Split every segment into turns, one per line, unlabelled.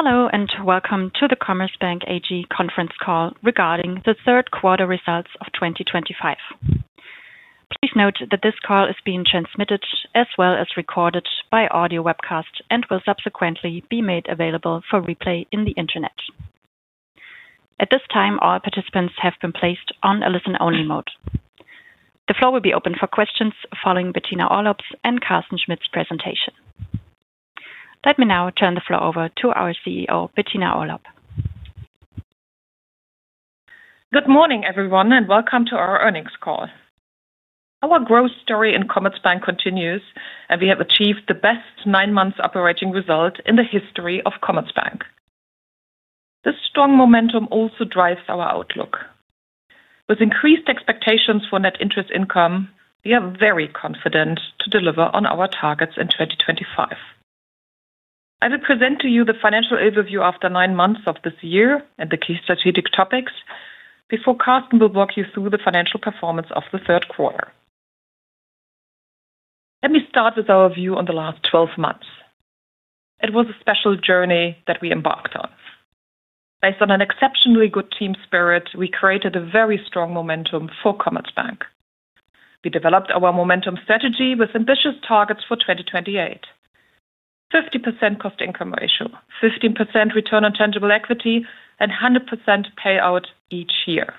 Hello, and welcome to the Commerzbank AG conference call regarding the third quarter results of 2025. Please note that this call is being transmitted as well as recorded by audio webcast and will subsequently be made available for replay on the internet. At this time, all participants have been placed on a listen-only mode. The floor will be open for questions following Bettina Orlopp's and Carsten Schmitt's presentation. Let me now turn the floor over to our CEO, Bettina Orlopp.
Good morning, everyone, and welcome to our earnings call. Our growth story in Commerzbank continues, and we have achieved the best nine-month operating result in the history of Commerzbank. This strong momentum also drives our outlook. With increased expectations for net interest income, we are very confident to deliver on our targets in 2025. I will present to you the financial overview after 9 months of this year and the key strategic topics, before Carsten will walk you through the financial performance of the third quarter. Let me start with our view on the last 12 months. It was a special journey that we embarked on. Based on an exceptionally good team spirit, we created a very strong momentum for Commerzbank. We developed our momentum strategy with ambitious targets for 2028. 50% cost-to-income ratio, 15% return on tangible equity, and 100% payout each year.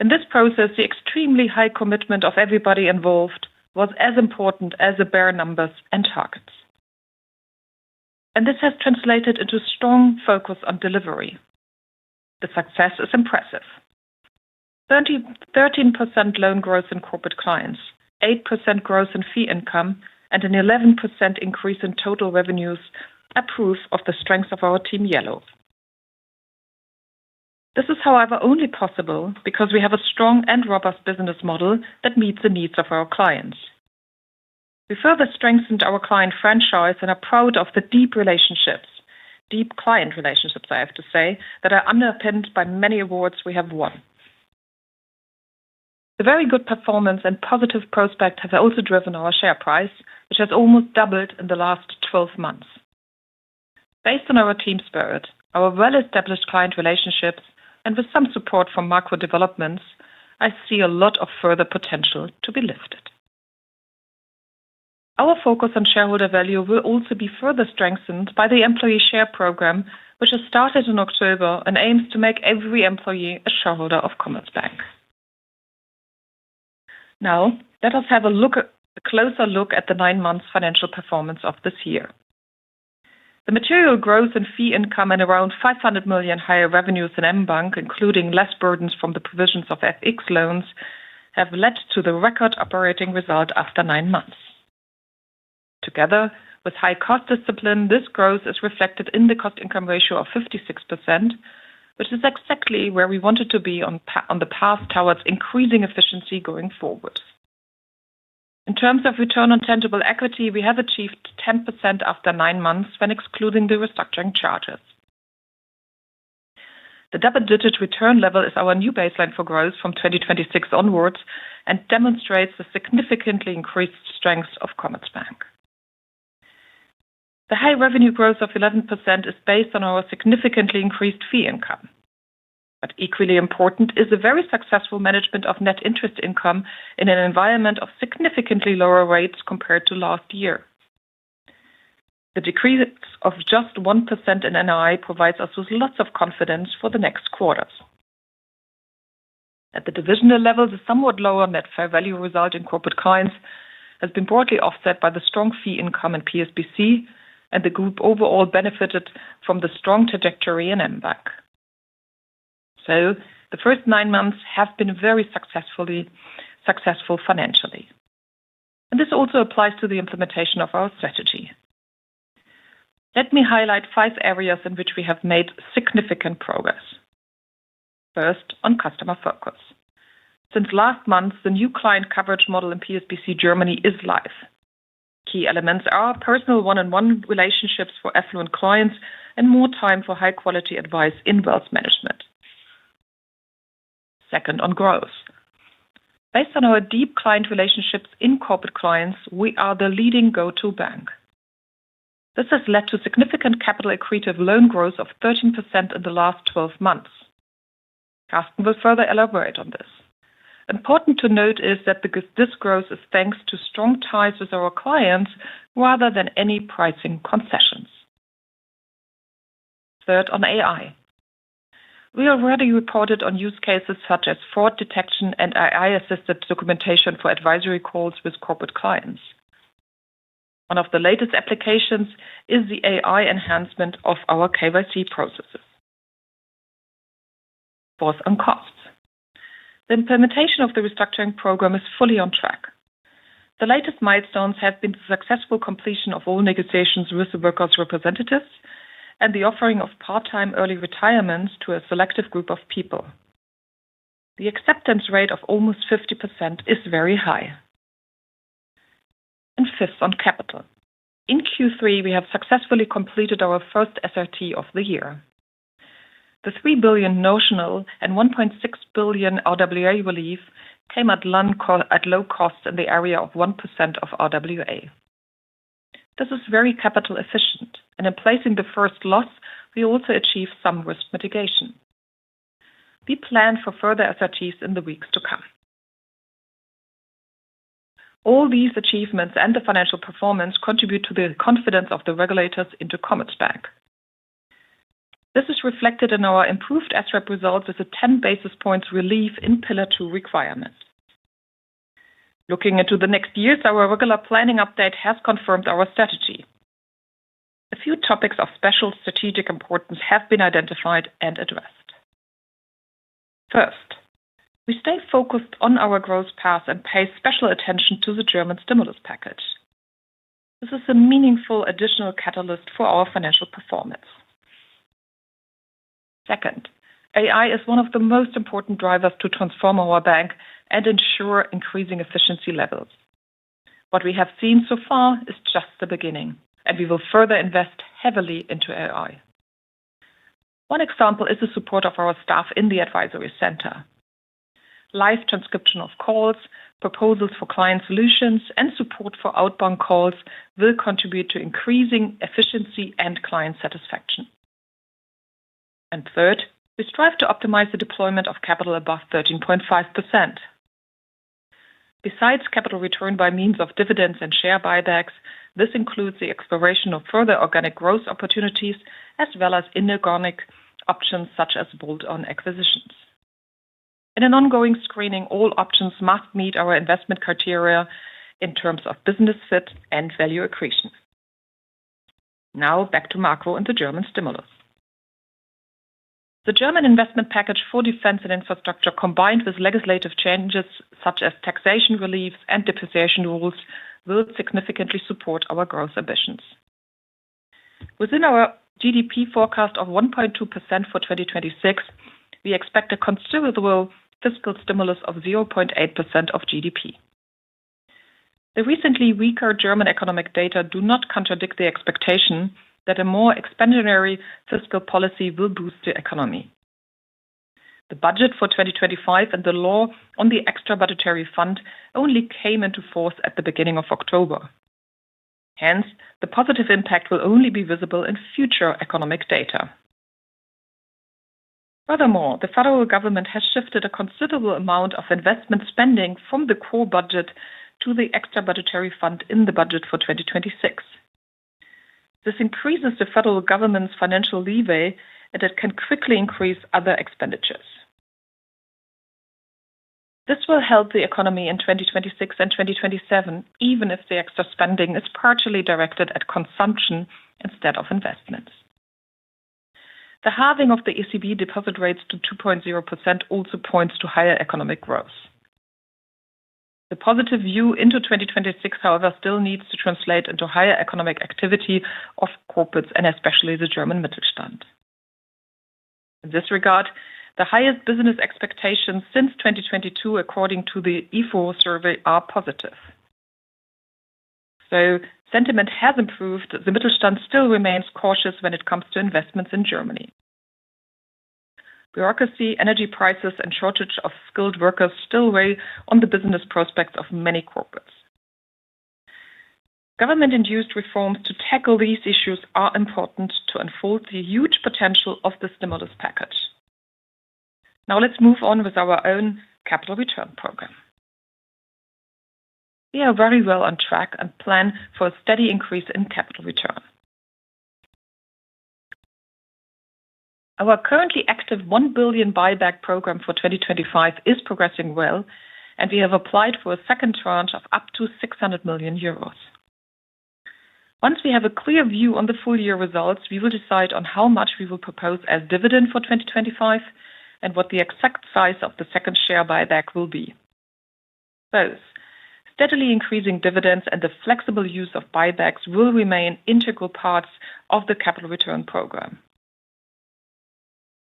In this process, the extremely high commitment of everybody involved was as important as the bare numbers and targets. This has translated into strong focus on delivery. The success is impressive. 13% loan growth in Corporate Clients, 8% growth in fee income, and an 11% increase in total revenues are proof of the strength of our team yellow. This is, however, only possible because we have a strong and robust business model that meets the needs of our clients. We further strengthened our client franchise and are proud of the deep relationships, deep client relationships, I have to say, that are underpinned by many awards we have won. The very good performance and positive prospect have also driven our share price, which has almost doubled in the last 12 months. Based on our team spirit, our well-established client relationships, and with some support from macro developments, I see a lot of further potential to be lifted. Our focus on shareholder value will also be further strengthened by the employee share program, which has started in October and aims to make every employee a shareholder of Commerzbank. Now, let us have a closer look at the nine-month financial performance of this year. The material growth in fee income and around 500 million higher revenues in mBank, including less burdens from the provisions of FX loans, have led to the record operating result after 9 months. Together with high cost discipline, this growth is reflected in the cost-to-income ratio of 56%, which is exactly where we wanted to be on the path towards increasing efficiency going forward. In terms of return on tangible equity, we have achieved 10% after 9 months when excluding the restructuring charges. The double-digit return level is our new baseline for growth from 2026 onwards and demonstrates the significantly increased strength of Commerzbank. The high revenue growth of 11% is based on our significantly increased fee income. Equally important is the very successful management of net interest income in an environment of significantly lower rates compared to last year. The decrease of just 1% in NII provides us with lots of confidence for the next quarters. At the divisional level, the somewhat lower net fair value result in Corporate Clients has been broadly offset by the strong fee income and PSBC, and the group overall benefited from the strong trajectory in mBank. The first 9 months have been very successful financially. This also applies to the implementation of our strategy. Let me highlight five areas in which we have made significant progress. First, on customer focus. Since last month, the new client coverage model in PSBC Germany is live. Key elements are personal one-on-one relationships for affluent clients and more time for high-quality advice in wealth management. Second, on growth. Based on our deep client relationships in Corporate Clients, we are the leading go-to bank. This has led to significant capital accretive loan growth of 13% in the last 12 months. Carsten will further elaborate on this. Important to note is that this growth is thanks to strong ties with our clients rather than any pricing concessions. Third, on AI. We already reported on use cases such as fraud detection and AI-assisted documentation for advisory calls with Corporate Clients. One of the latest applications is the AI enhancement of our KYC processes. Fourth, on costs. The implementation of the restructuring program is fully on track. The latest milestones have been the successful completion of all negotiations with the workers' representatives and the offering of part-time early retirements to a selective group of people. The acceptance rate of almost 50% is very high. Fifth, on capital. In Q3, we have successfully completed our first SRT of the year. The 3 billion notional and 1.6 billion RWA relief came at low cost in the area of 1% of RWA. This is very capital-efficient, and in placing the first loss, we also achieved some risk mitigation. We plan for further SRTs in the weeks to come. All these achievements and the financial performance contribute to the confidence of the regulators into Commerzbank. This is reflected in our improved SREP results with a 10 basis points relief in pillar two requirements. Looking into the next years, our regular planning update has confirmed our strategy. A few topics of special strategic importance have been identified and addressed. First, we stay focused on our growth path and pay special attention to the German stimulus package. This is a meaningful additional catalyst for our financial performance. Second, AI is one of the most important drivers to transform our bank and ensure increasing efficiency levels. What we have seen so far is just the beginning, and we will further invest heavily into AI. One example is the support of our staff in the advisory center. Live transcription of calls, proposals for client solutions, and support for outbound calls will contribute to increasing efficiency and client satisfaction. Third, we strive to optimize the deployment of capital above 13.5%. Besides capital return by means of dividends and share buybacks, this includes the exploration of further organic growth opportunities as well as inorganic options such as bolt-on acquisitions. In an ongoing screening, all options must meet our investment criteria in terms of business fit and value accretion. Now, back to macro and the German stimulus. The German investment package for defense and infrastructure, combined with legislative changes such as taxation reliefs and depreciation rules, will significantly support our growth ambitions. Within our GDP forecast of 1.2% for 2026, we expect a considerable fiscal stimulus of 0.8% of GDP. The recently weaker German economic data do not contradict the expectation that a more expansionary fiscal policy will boost the economy. The budget for 2025 and the law on the extra budgetary fund only came into force at the beginning of October. Hence, the positive impact will only be visible in future economic data. Furthermore, the federal government has shifted a considerable amount of investment spending from the core budget to the extra budgetary fund in the budget for 2026. This increases the federal government's financial leeway, and it can quickly increase other expenditures. This will help the economy in 2026 and 2027, even if the extra spending is partially directed at consumption instead of investments. The halving of the ECB deposit rates to 2.0% also points to higher economic growth. The positive view into 2026, however, still needs to translate into higher economic activity of corporates and especially the German Mittelstand. In this regard, the highest business expectations since 2022, according to the IFO survey, are positive. Sentiment has improved, but the Mittelstand still remains cautious when it comes to investments in Germany. Bureaucracy, energy prices, and shortage of skilled workers still weigh on the business prospects of many corporates. Government-induced reforms to tackle these issues are important to unfold the huge potential of the stimulus package. Now, let's move on with our own capital return program. We are very well on track and plan for a steady increase in capital return. Our currently active 1 billion buyback program for 2025 is progressing well, and we have applied for a second tranche of up to 600 million euros. Once we have a clear view on the full year results, we will decide on how much we will propose as dividend for 2025 and what the exact size of the second share buyback will be. Both steadily increasing dividends and the flexible use of buybacks will remain integral parts of the capital return program.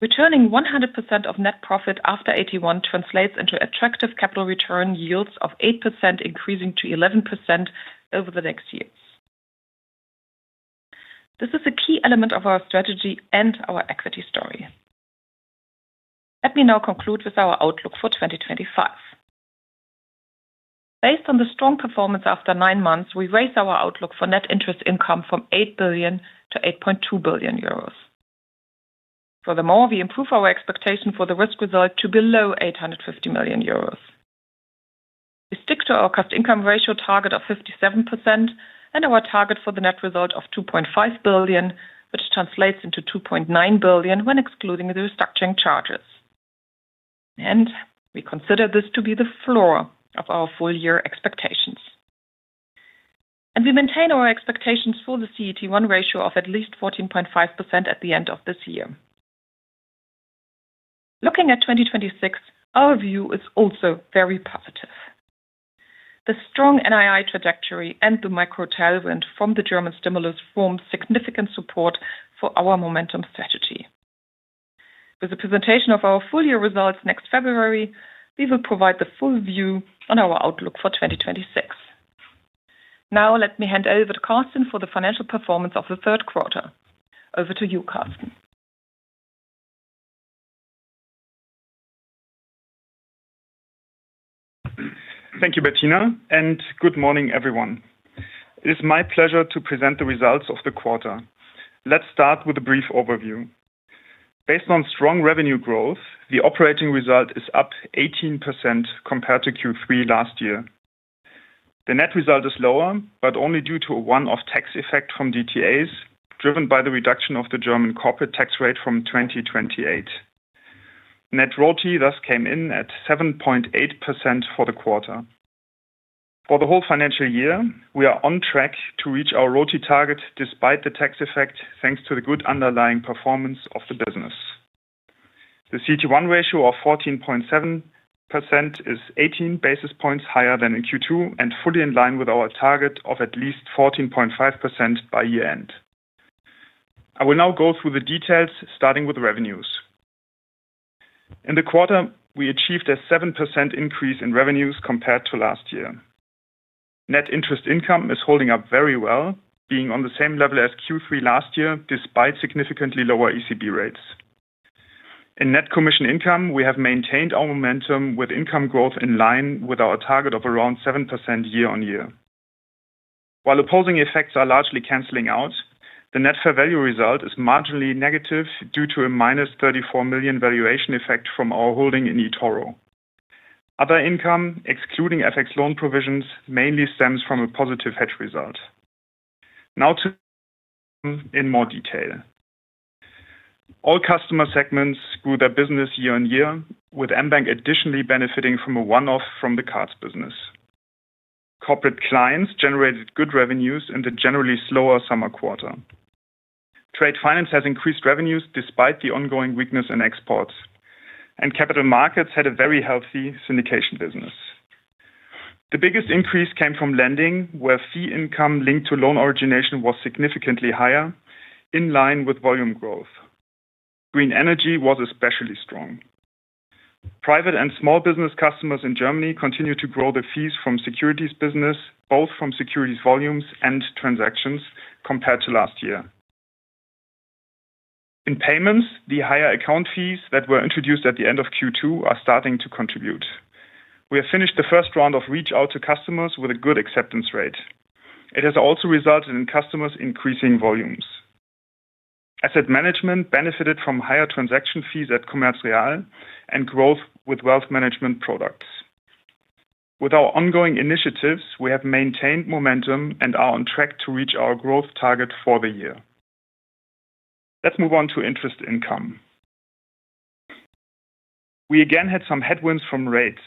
Returning 100% of net profit after [81] translates into attractive capital return yields of 8%, increasing to 11% over the next years. This is a key element of our strategy and our equity story. Let me now conclude with our outlook for 2025. Based on the strong performance after 9 months, we raise our outlook for net interest income from 8 billion-8.2 billion euros. Furthermore, we improve our expectation for the risk result to below 850 million euros. We stick to our cost-to-income ratio target of 57% and our target for the net result of 2.5 billion, which translates into 2.9 billion when excluding the restructuring charges. We consider this to be the floor of our full year expectations. We maintain our expectations for the CET1 ratio of at least 14.5% at the end of this year. Looking at 2026, our view is also very positive. The strong NII trajectory and the macro tailwind from the German stimulus form significant support for our momentum strategy. With the presentation of our full year results next February, we will provide the full view on our outlook for 2026. Now, let me hand over to Carsten for the financial performance of the third quarter. Over to you, Carsten.
Thank you, Bettina, and good morning, everyone. It is my pleasure to present the results of the quarter. Let's start with a brief overview. Based on strong revenue growth, the operating result is up 18% compared to Q3 last year. The net result is lower, but only due to a one-off tax effect from DTAs driven by the reduction of the German corporate tax rate from 2028. Net royalty thus came in at 7.8% for the quarter. For the whole financial year, we are on track to reach our royalty target despite the tax effect, thanks to the good underlying performance of the business. The CET1 ratio of 14.7% is 18 basis points higher than in Q2 and fully in line with our target of at least 14.5% by year-end. I will now go through the details, starting with revenues. In the quarter, we achieved a 7% increase in revenues compared to last year. Net interest income is holding up very well, being on the same level as Q3 last year despite significantly lower ECB rates. In net commission income, we have maintained our momentum with income growth in line with our target of around 7% year-on-year. While opposing effects are largely canceling out, the net fair value result is marginally negative due to a minus 34 million valuation effect from our holding in eToro. Other income, excluding FX loan provisions, mainly stems from a positive hedge result. Now to, in more detail. All customer segments grew their business year-on-year, with mBank additionally benefiting from a one-off from the cards business. Corporate Clients generated good revenues in the generally slower summer quarter. Trade finance has increased revenues despite the ongoing weakness in exports, and capital markets had a very healthy syndication business. The biggest increase came from lending, where fee income linked to loan origination was significantly higher, in line with volume growth. Green energy was especially strong. Private and small business customers in Germany continue to grow the fees from securities business, both from securities volumes and transactions, compared to last year. In payments, the higher account fees that were introduced at the end of Q2 are starting to contribute. We have finished the first round of reach-out to customers with a good acceptance rate. It has also resulted in customers increasing volumes. Asset management benefited from higher transaction fees at Commerz Real and growth with wealth management products. With our ongoing initiatives, we have maintained momentum and are on track to reach our growth target for the year. Let's move on to interest income. We again had some headwinds from rates.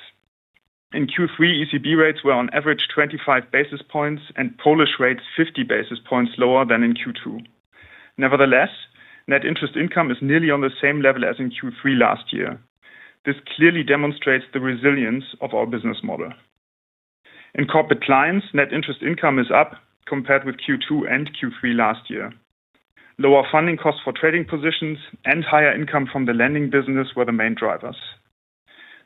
In Q3, ECB rates were on average 25 basis points and Polish rates 50 basis points lower than in Q2. Nevertheless, net interest income is nearly on the same level as in Q3 last year. This clearly demonstrates the resilience of our business model. In Corporate Clients, net interest income is up compared with Q2 and Q3 last year. Lower funding costs for trading positions and higher income from the lending business were the main drivers.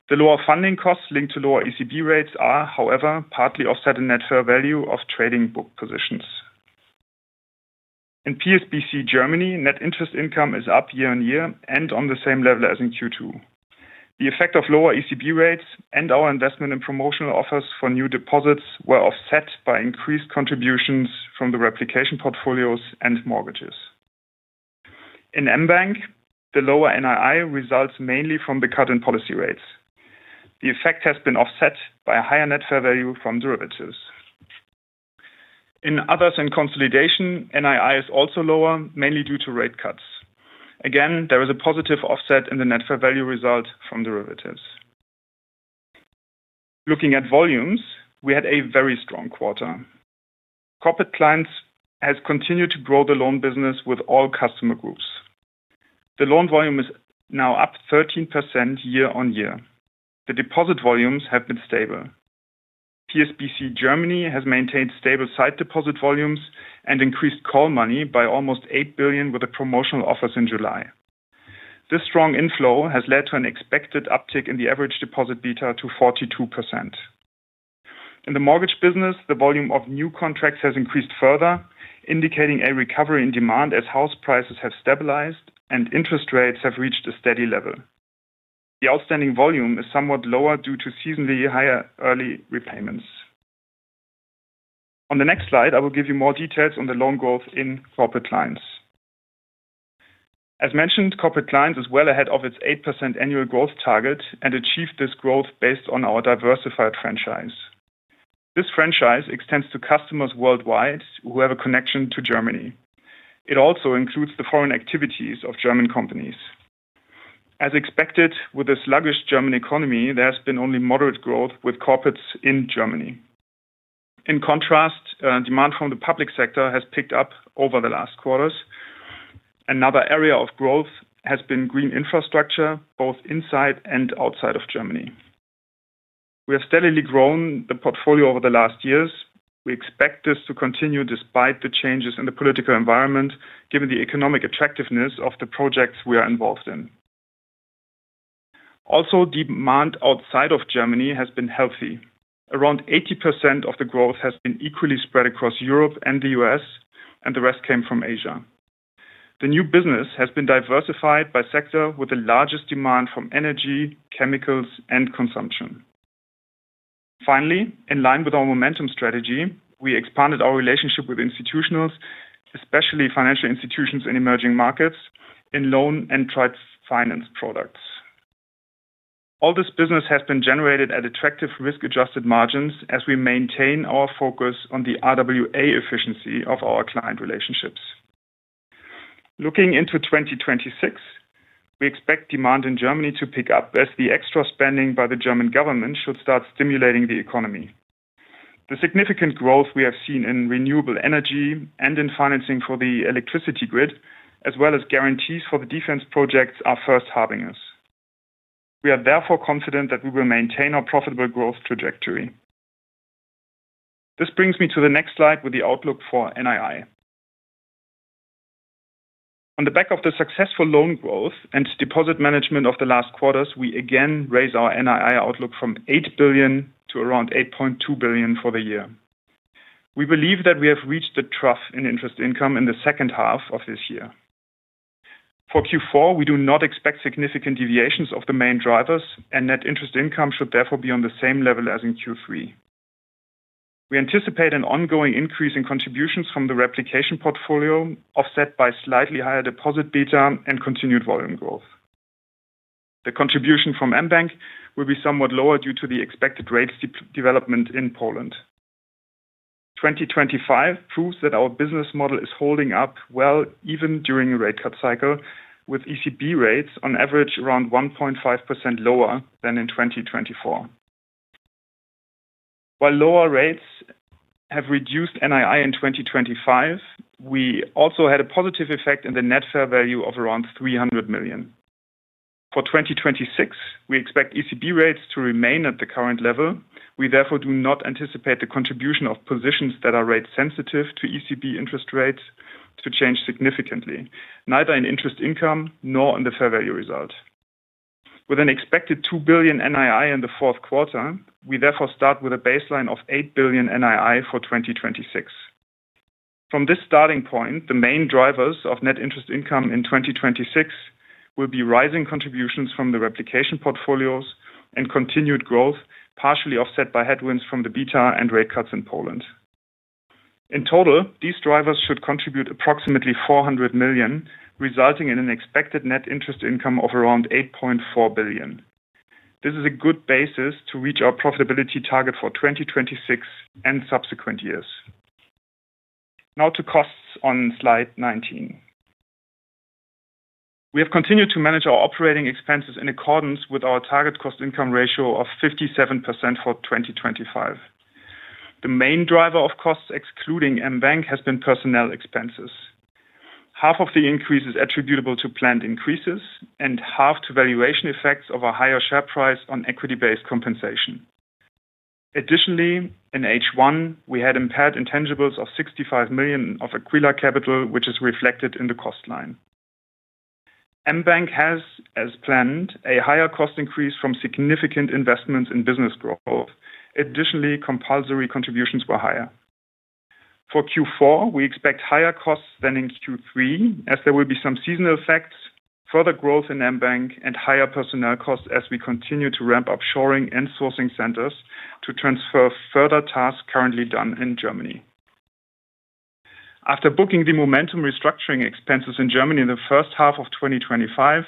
The lower funding costs linked to lower ECB rates are, however, partly offset in net fair value of trading book positions. In PSBC Germany, net interest income is up year-on-year and on the same level as in Q2. The effect of lower ECB rates and our investment in promotional offers for new deposits were offset by increased contributions from the replication portfolios and mortgages. In mBank, the lower NII results mainly from the cut in policy rates. The effect has been offset by a higher net fair value from derivatives. In others in consolidation, NII is also lower, mainly due to rate cuts. Again, there is a positive offset in the net fair value result from derivatives. Looking at volumes, we had a very strong quarter. Corporate Clients have continued to grow the loan business with all customer groups. The loan volume is now up 13% year-on-year. The deposit volumes have been stable. PSBC Germany has maintained stable sight deposit volumes and increased call money by almost 8 billion with the promotional offers in July. This strong inflow has led to an expected uptick in the average deposit beta to 42%. In the mortgage business, the volume of new contracts has increased further, indicating a recovery in demand as house prices have stabilized and interest rates have reached a steady level. The outstanding volume is somewhat lower due to seasonally higher early repayments. On the next slide, I will give you more details on the loan growth in Corporate Clients. As mentioned, Corporate Clients are well ahead of its 8% annual growth target and achieved this growth based on our diversified franchise. This franchise extends to customers worldwide who have a connection to Germany. It also includes the foreign activities of German companies. As expected, with the sluggish German economy, there has been only moderate growth with corporates in Germany. In contrast, demand from the public sector has picked up over the last quarters. Another area of growth has been green infrastructure, both inside and outside of Germany. We have steadily grown the portfolio over the last years. We expect this to continue despite the changes in the political environment, given the economic attractiveness of the projects we are involved in. Also, demand outside of Germany has been healthy. Around 80% of the growth has been equally spread across Europe and the U.S., and the rest came from Asia. The new business has been diversified by sector, with the largest demand from energy, chemicals, and consumption. Finally, in line with our momentum strategy, we expanded our relationship with institutionals, especially financial institutions and emerging markets, in loan and trade finance products. All this business has been generated at attractive risk-adjusted margins as we maintain our focus on the RWA efficiency of our client relationships. Looking into 2026, we expect demand in Germany to pick up as the extra spending by the German government should start stimulating the economy. The significant growth we have seen in renewable energy and in financing for the electricity grid, as well as guarantees for the defense projects, are first harboring us. We are therefore confident that we will maintain our profitable growth trajectory. This brings me to the next slide with the outlook for NII. On the back of the successful loan growth and deposit management of the last quarters, we again raise our NII outlook from 8 billion to around 8.2 billion for the year. We believe that we have reached the trough in interest income in the second half of this year. For Q4, we do not expect significant deviations of the main drivers, and net interest income should therefore be on the same level as in Q3. We anticipate an ongoing increase in contributions from the replication portfolio, offset by slightly higher deposit beta and continued volume growth. The contribution from mBank will be somewhat lower due to the expected rates development in Poland. 2025 proves that our business model is holding up well, even during a rate cut cycle, with ECB rates on average around 1.5% lower than in 2024. While lower rates have reduced NII in 2025, we also had a positive effect in the net fair value of around 300 million. For 2026, we expect ECB rates to remain at the current level. We therefore do not anticipate the contribution of positions that are rate-sensitive to ECB interest rates to change significantly, neither in interest income nor in the fair value result. With an expected 2 billion NII in the fourth quarter, we therefore start with a baseline of 8 billion NII for 2026. From this starting point, the main drivers of net interest income in 2026 will be rising contributions from the replication portfolios and continued growth, partially offset by headwinds from the beta and rate cuts in Poland. In total, these drivers should contribute approximately 400 million, resulting in an expected net interest income of around 8.4 billion. This is a good basis to reach our profitability target for 2026 and subsequent years. Now to costs on slide 19. We have continued to manage our operating expenses in accordance with our target cost-to-income ratio of 57% for 2025. The main driver of costs, excluding mBank, has been personnel expenses. Half of the increase is attributable to planned increases and half to valuation effects of a higher share price on equity-based compensation. Additionally, in H1, we had impaired intangibles of 65 million of Aquila Capital, which is reflected in the cost line. mBank has, as planned, a higher cost increase from significant investments in business growth. Additionally, compulsory contributions were higher. For Q4, we expect higher costs than in Q3, as there will be some seasonal effects, further growth in mBank, and higher personnel costs as we continue to ramp up shoring and sourcing centers to transfer further tasks currently done in Germany. After booking the momentum restructuring expenses in Germany in the first half of 2025,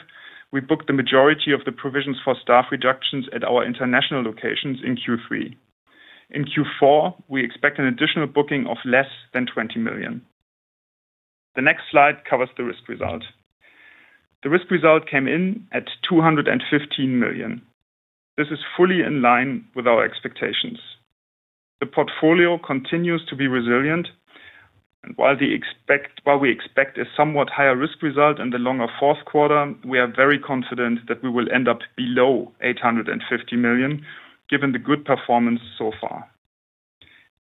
we booked the majority of the provisions for staff reductions at our international locations in Q3. In Q4, we expect an additional booking of less than 20 million. The next slide covers the risk result. The risk result came in at 215 million. This is fully in line with our expectations. The portfolio continues to be resilient. While we expect a somewhat higher risk result in the longer fourth quarter, we are very confident that we will end up below 850 million, given the good performance so far.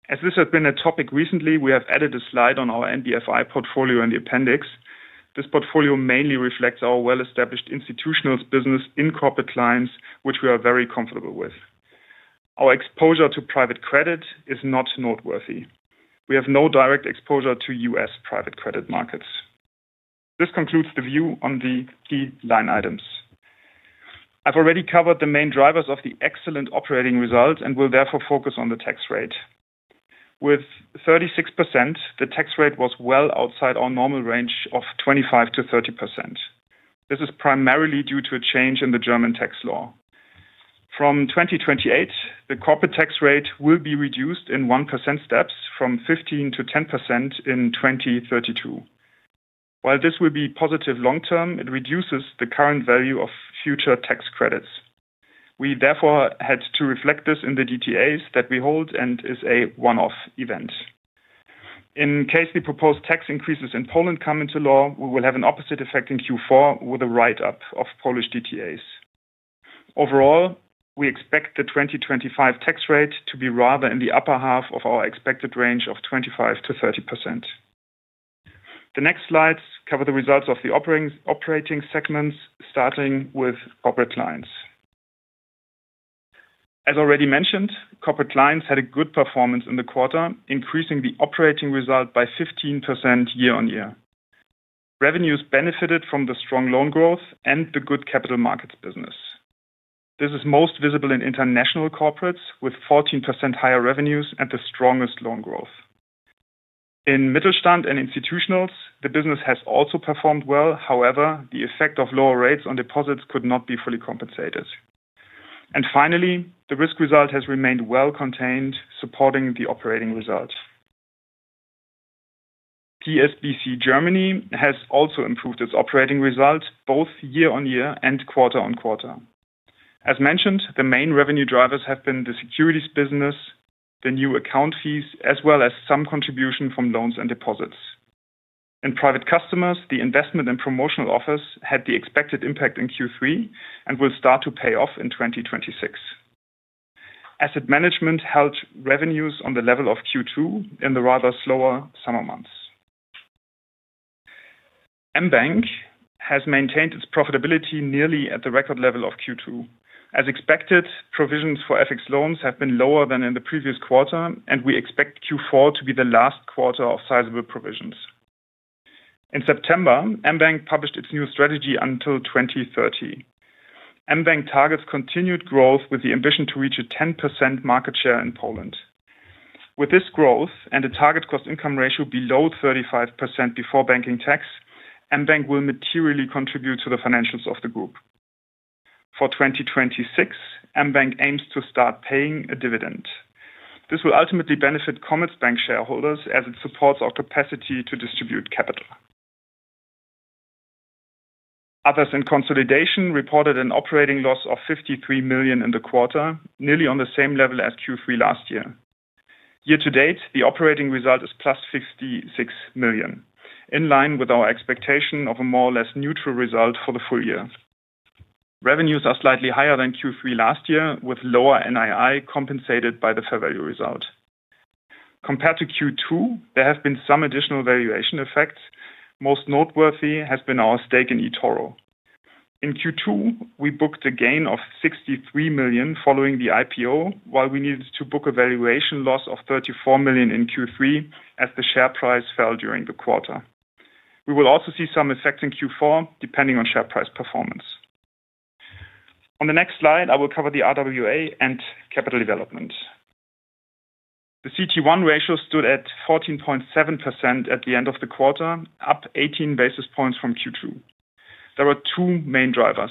As this has been a topic recently, we have added a slide on our NBFI portfolio in the appendix. This portfolio mainly reflects our well-established institutional business in Corporate Clients, which we are very comfortable with. Our exposure to private credit is not noteworthy. We have no direct exposure to U.S. private credit markets. This concludes the view on the key line items. I've already covered the main drivers of the excellent operating results and will therefore focus on the tax rate. With 36%, the tax rate was well outside our normal range of 25%-30%. This is primarily due to a change in the German tax law. From 2028, the corporate tax rate will be reduced in 1% steps from 15%-10% in 2032. While this will be positive long-term, it reduces the current value of future tax credits. We therefore had to reflect this in the DTAs that we hold and is a one-off event. In case the proposed tax increases in Poland come into law, we will have an opposite effect in Q4 with a write-up of Polish DTAs. Overall, we expect the 2025 tax rate to be rather in the upper half of our expected range of 25%-30%. The next slides cover the results of the operating segments, starting with Corporate Clients. As already mentioned, Corporate Clients had a good performance in the quarter, increasing the operating result by 15% year-on-year. Revenues benefited from the strong loan growth and the good capital markets business. This is most visible in International Corporates, with 14% higher revenues and the strongest loan growth. In Mittelstand and Institutionals, the business has also performed well. However, the effect of lower rates on deposits could not be fully compensated. Finally, the risk result has remained well contained, supporting the operating result. PSBC Germany has also improved its operating result, both year-on-year and quarter-on-quarter. As mentioned, the main revenue drivers have been the securities business, the new account fees, as well as some contribution from loans and deposits. In private customers, the investment and promotional offers had the expected impact in Q3 and will start to pay off in 2026. Asset management held revenues on the level of Q2 in the rather slower summer months. mBank has maintained its profitability nearly at the record level of Q2. As expected, provisions for FX loans have been lower than in the previous quarter, and we expect Q4 to be the last quarter of sizable provisions. In September, mBank published its new strategy until 2030. mBank targets continued growth with the ambition to reach a 10% market share in Poland. With this growth and a target cost-income ratio below 35% before banking tax, mBank will materially contribute to the financials of the group. For 2026, mBank aims to start paying a dividend. This will ultimately benefit Commerzbank shareholders as it supports our capacity to distribute capital. Others in consolidation reported an operating loss of 53 million in the quarter, nearly on the same level as Q3 last year. Year-to-date, the operating result is plus 56 million, in line with our expectation of a more or less neutral result for the full year. Revenues are slightly higher than Q3 last year, with lower NII compensated by the fair value result. Compared to Q2, there have been some additional valuation effects. Most noteworthy has been our stake in eToro. In Q2, we booked a gain of 63 million following the IPO, while we needed to book a valuation loss of 34 million in Q3 as the share price fell during the quarter. We will also see some effect in Q4, depending on share price performance. On the next slide, I will cover the RWA and capital development. The CET1 ratio stood at 14.7% at the end of the quarter, up 18 basis points from Q2. There were two main drivers.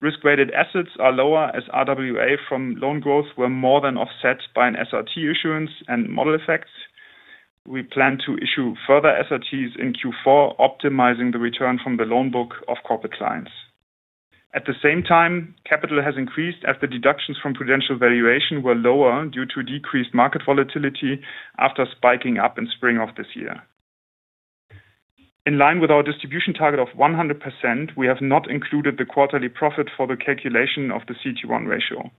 Risk-weighted assets are lower as RWA from loan growth were more than offset by an SRT issuance and model effects. We plan to issue further SRTs in Q4, optimizing the return from the loan book of Corporate Clients. At the same time, capital has increased as the deductions from prudential valuation were lower due to decreased market volatility after spiking up in spring of this year. In line with our distribution target of 100%, we have not included the quarterly profit for the calculation of the CET1 ratio.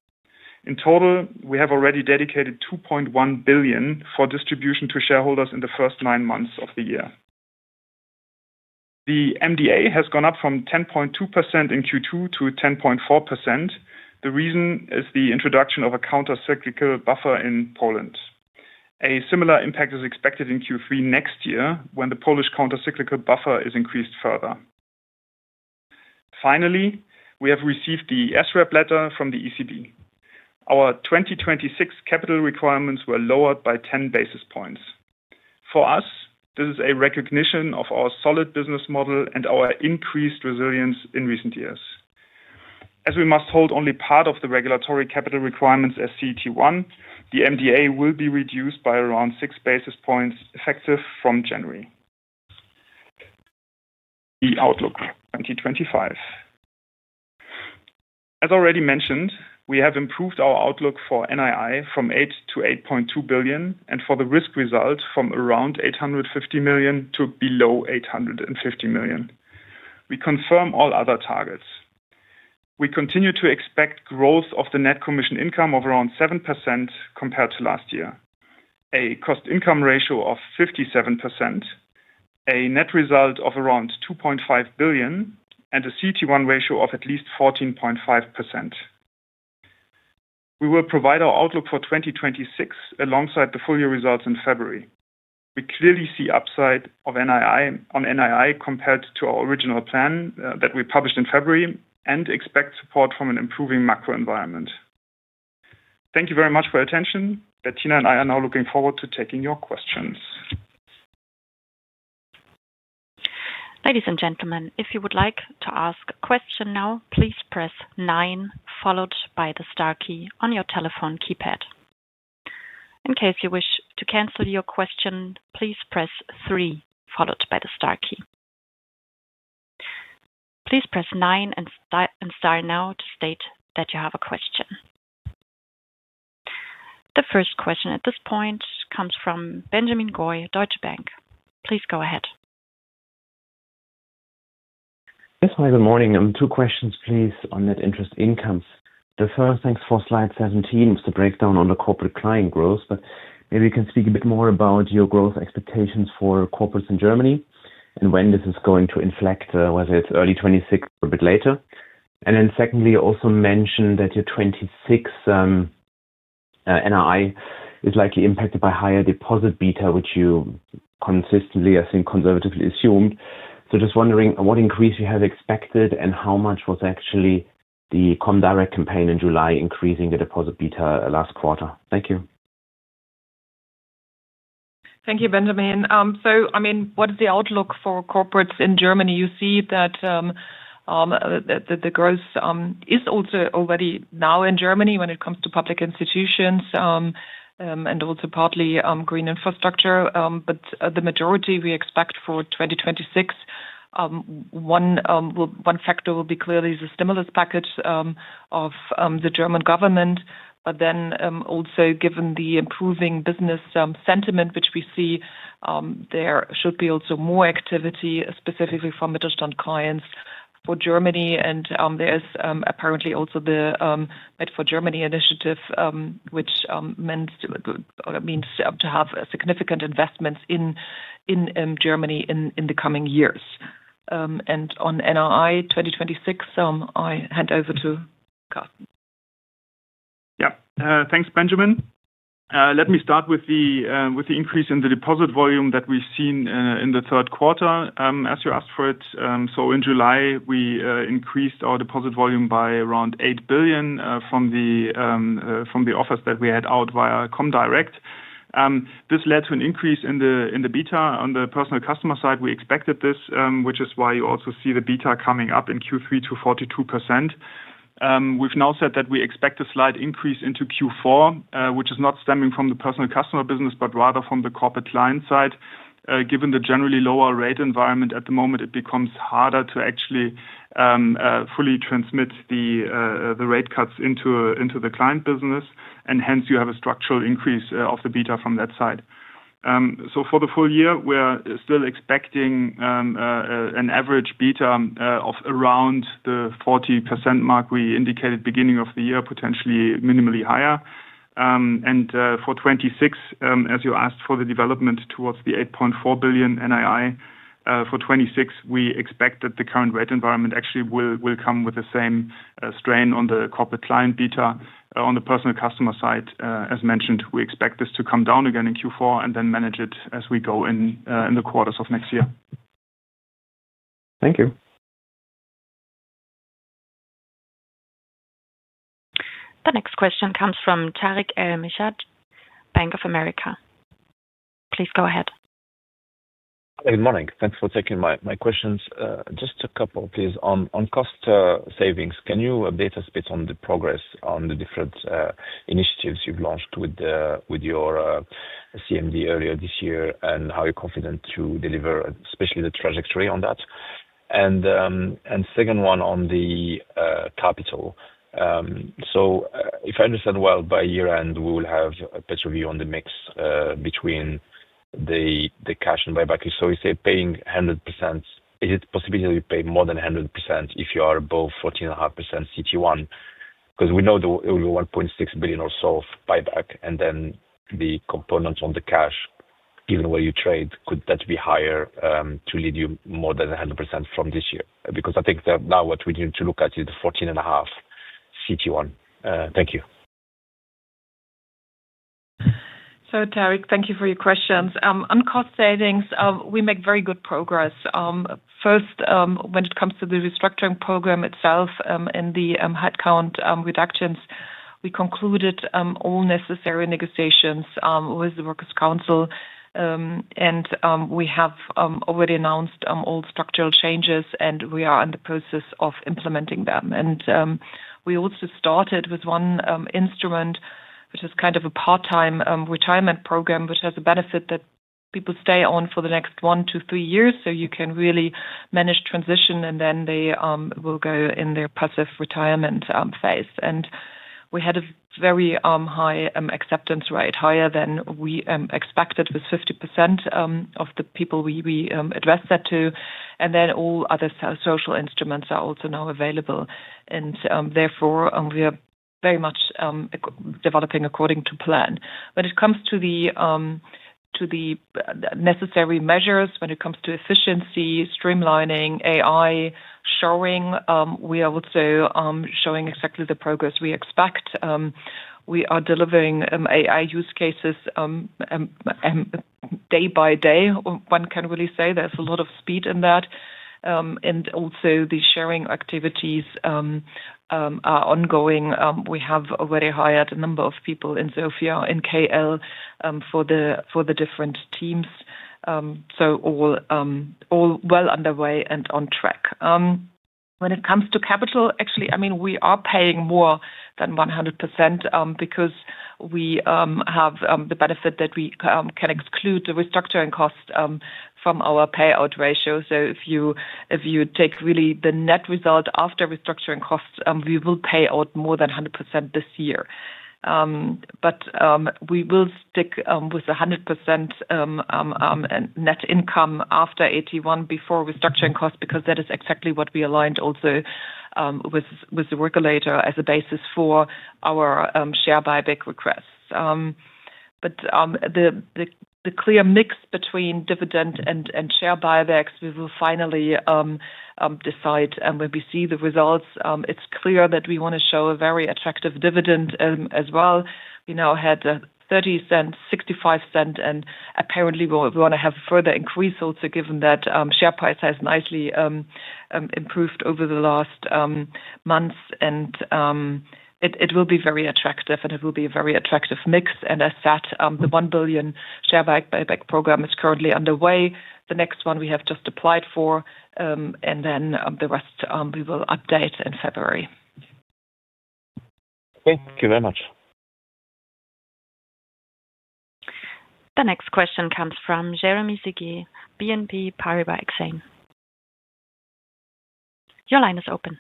In total, we have already dedicated 2.1 billion for distribution to shareholders in the first 9 months of the year. The MDA has gone up from 10.2% in Q2 to 10.4%. The reason is the introduction of a countercyclical buffer in Poland. A similar impact is expected in Q3 next year when the Polish countercyclical buffer is increased further. Finally, we have received the SREP letter from the ECB. Our 2026 capital requirements were lowered by 10 basis points. For us, this is a recognition of our solid business model and our increased resilience in recent years. As we must hold only part of the regulatory capital requirements as CET1, the MDA will be reduced by around 6 basis points effective from January. The outlook for 2025. As already mentioned, we have improved our outlook for NII from 8 billion to 8.2 billion and for the risk result from around 850 million to below 850 million. We confirm all other targets. We continue to expect growth of the net commission income of around 7% compared to last year, a cost-income ratio of 57%, a net result of around 2.5 billion, and a CET1 ratio of at least 14.5%. We will provide our outlook for 2026 alongside the full-year results in February. We clearly see upside on NII compared to our original plan that we published in February and expect support from an improving macro environment. Thank you very much for your attention. Bettina and I are now looking forward to taking your questions.
Ladies and gentlemen, if you would like to ask a question now, please press nine followed by the star key on your telephone keypad. In case you wish to cancel your question, please press three followed by the star key. Please press nine and star now to state that you have a question. The first question at this point comes from Benjamin Goy, Deutsche Bank. Please go ahead.
Yes, hi, good morning. Two questions, please, on net interest incomes. The first, thanks for slide 17, was the breakdown on the Corporate Client growth, but maybe you can speak a bit more about your growth expectations for corporates in Germany and when this is going to inflect, whether it is early 2026 or a bit later. And then secondly, also mention that your 2026 NII is likely impacted by higher deposit beta, which you consistently, I think, conservatively assumed. Just wondering what increase you have expected and how much was actually the comdirect campaign in July increasing the deposit beta last quarter. Thank you.
Thank you, Benjamin. I mean, what is the outlook for corporates in Germany? You see that. The growth is also already now in Germany when it comes to public institutions. Also partly green infrastructure. The majority we expect for 2026. One factor will be clearly the stimulus package of the German government. Given the improving business sentiment, which we see, there should be also more activity, specifically for Mittelstand clients for Germany. There is apparently also the MED for Germany initiative, which means to have significant investments in Germany in the coming years. On NII 2026, I hand over to Carsten.
Yeah, thanks, Benjamin. Let me start with the increase in the deposit volume that we've seen in the third quarter, as you asked for it. In July, we increased our deposit volume by around 8 billion from the offers that we had out via comdirect. This led to an increase in the beta. On the personal customer side, we expected this, which is why you also see the beta coming up in Q3 to 42%. We have now said that we expect a slight increase into Q4, which is not stemming from the personal customer business, but rather from the Corporate Client side. Given the generally lower rate environment at the moment, it becomes harder to actually fully transmit the rate cuts into the client business, and hence you have a structural increase of the beta from that side. For the full year, we are still expecting an average beta of around the 40% mark we indicated at the beginning of the year, potentially minimally higher. For 2026, as you asked for the development towards the 8.4 billion NII for 2026, we expect that the current rate environment actually will come with the same strain on the Corporate Client beta. On the personal customer side, as mentioned, we expect this to come down again in Q4 and then manage it as we go in the quarters of next year.
Thank you.
The next question comes from Tarik El Mejjad, Bank of America. Please go ahead.
Good morning. Thanks for taking my questions. Just a couple, please. On cost savings, can you update us a bit on the progress on the different initiatives you have launched with your CMD earlier this year and how you are confident to deliver, especially the trajectory on that? Second one on the capital. If I understand well, by year-end, we will have a better view on the mix between the cash and buyback. You say paying 100%. Is it possible that you pay more than 100% if you are above 14.5% CET1? Because we know there will be 1.6 billion or so of buyback, and then the components on the cash, given where you trade, could that be higher to lead you more than 100% from this year? I think now what we need to look at is the 14.5% CET1. Thank you.
Tarik, thank you for your questions. On cost savings, we make very good progress. First, when it comes to the restructuring program itself and the headcount reductions, we concluded all necessary negotiations with the Workers' Council. We have already announced all structural changes, and we are in the process of implementing them. We also started with one instrument. Which is kind of a part-time retirement program, which has a benefit that people stay on for the next 1-3 years, so you can really manage transition, and then they will go in their passive retirement phase. We had a very high acceptance rate, higher than we expected, with 50% of the people we addressed that to. All other social instruments are also now available. Therefore, we are very much developing according to plan. When it comes to the necessary measures, when it comes to efficiency, streamlining, AI, we are also showing exactly the progress we expect. We are delivering AI use cases day by day, one can really say. There is a lot of speed in that. Also, the shoring activities are ongoing. We have already hired a number of people in Sofia, in KL, for the different teams. All. are underway and on track. When it comes to capital, actually, I mean, we are paying more than 100% because we have the benefit that we can exclude the restructuring cost from our payout ratio. If you take really the net result after restructuring cost, we will pay out more than 100% this year. We will stick with 100% net income after[81] before restructuring cost, because that is exactly what we aligned also with the regulator as a basis for our share buyback requests. The clear mix between dividend and share buybacks, we will finally decide when we see the results. It is clear that we want to show a very attractive dividend as well. We now had 0.30, 0.65, and apparently, we want to have a further increase also, given that share price has nicely improved over the last months. It will be very attractive, and it will be a very attractive mix. As said, the 1 billion share buyback program is currently underway. The next one we have just applied for. The rest we will update in February.
Thank you very much.
The next question comes from Jeremy Sigee, BNP Paribas Exane. Your line is open.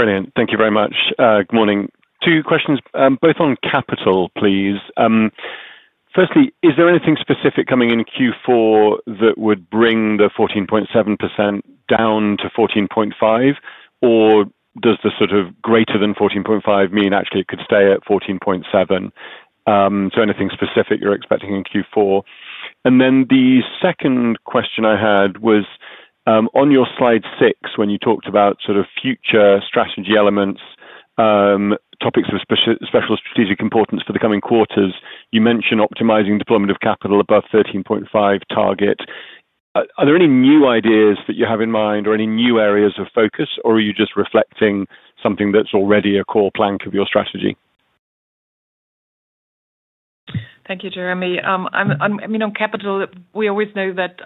Brilliant. Thank you very much. Good morning. Two questions, both on capital, please. Firstly, is there anything specific coming in Q4 that would bring the 14.7% down to 14.5%? Does the sort of greater than 14.5% mean actually it could stay at 14.7%? Anything specific you are expecting in Q4? The second question I had was on your slide 6, when you talked about sort of future strategy elements. Topics of special strategic importance for the coming quarters, you mentioned optimizing deployment of capital above 13.5% target. Are there any new ideas that you have in mind or any new areas of focus, or are you just reflecting something that's already a core plank of your strategy?
Thank you, Jeremy. I mean, on capital, we always know that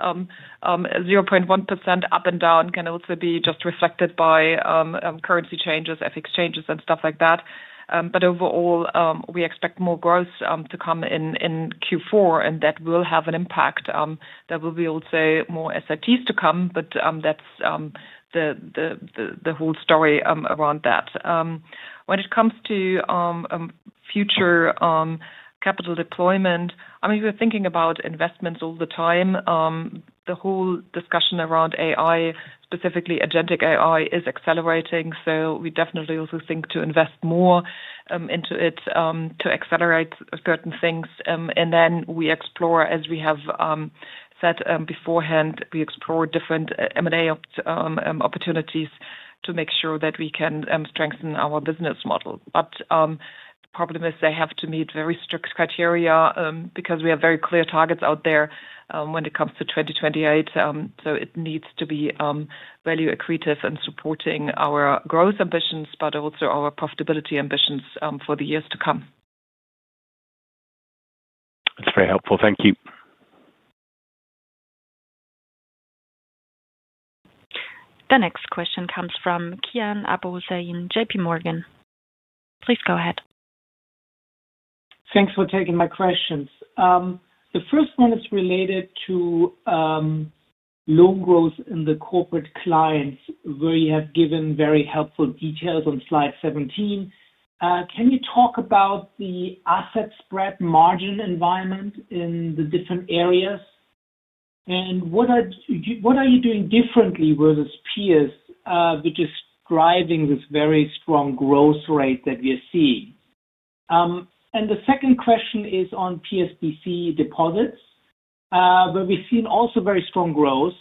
0.1% up and down can also be just reflected by currency changes, FX changes, and stuff like that. Overall, we expect more growth to come in Q4, and that will have an impact. There will be also more SRTs to come, but that's the whole story around that. When it comes to future capital deployment, I mean, we're thinking about investments all the time. The whole discussion around AI, specifically agentic AI, is accelerating, so we definitely also think to invest more into it to accelerate certain things. Then we explore, as we have. Said beforehand, we explore different M&A opportunities to make sure that we can strengthen our business model. The problem is they have to meet very strict criteria because we have very clear targets out there when it comes to 2028. It needs to be value accretive and supporting our growth ambitions, but also our profitability ambitions for the years to come.
That's very helpful. Thank you.
The next question comes from Kian Abouhossein, JPMorgan. Please go ahead.
Thanks for taking my questions. The first one is related to loan growth in the Corporate Clients, where you have given very helpful details on slide 17. Can you talk about the asset spread margin environment in the different areas? What are you doing differently versus peers which is driving this very strong growth rate that we are seeing? The second question is on PSBC deposits. Where we've seen also very strong growth.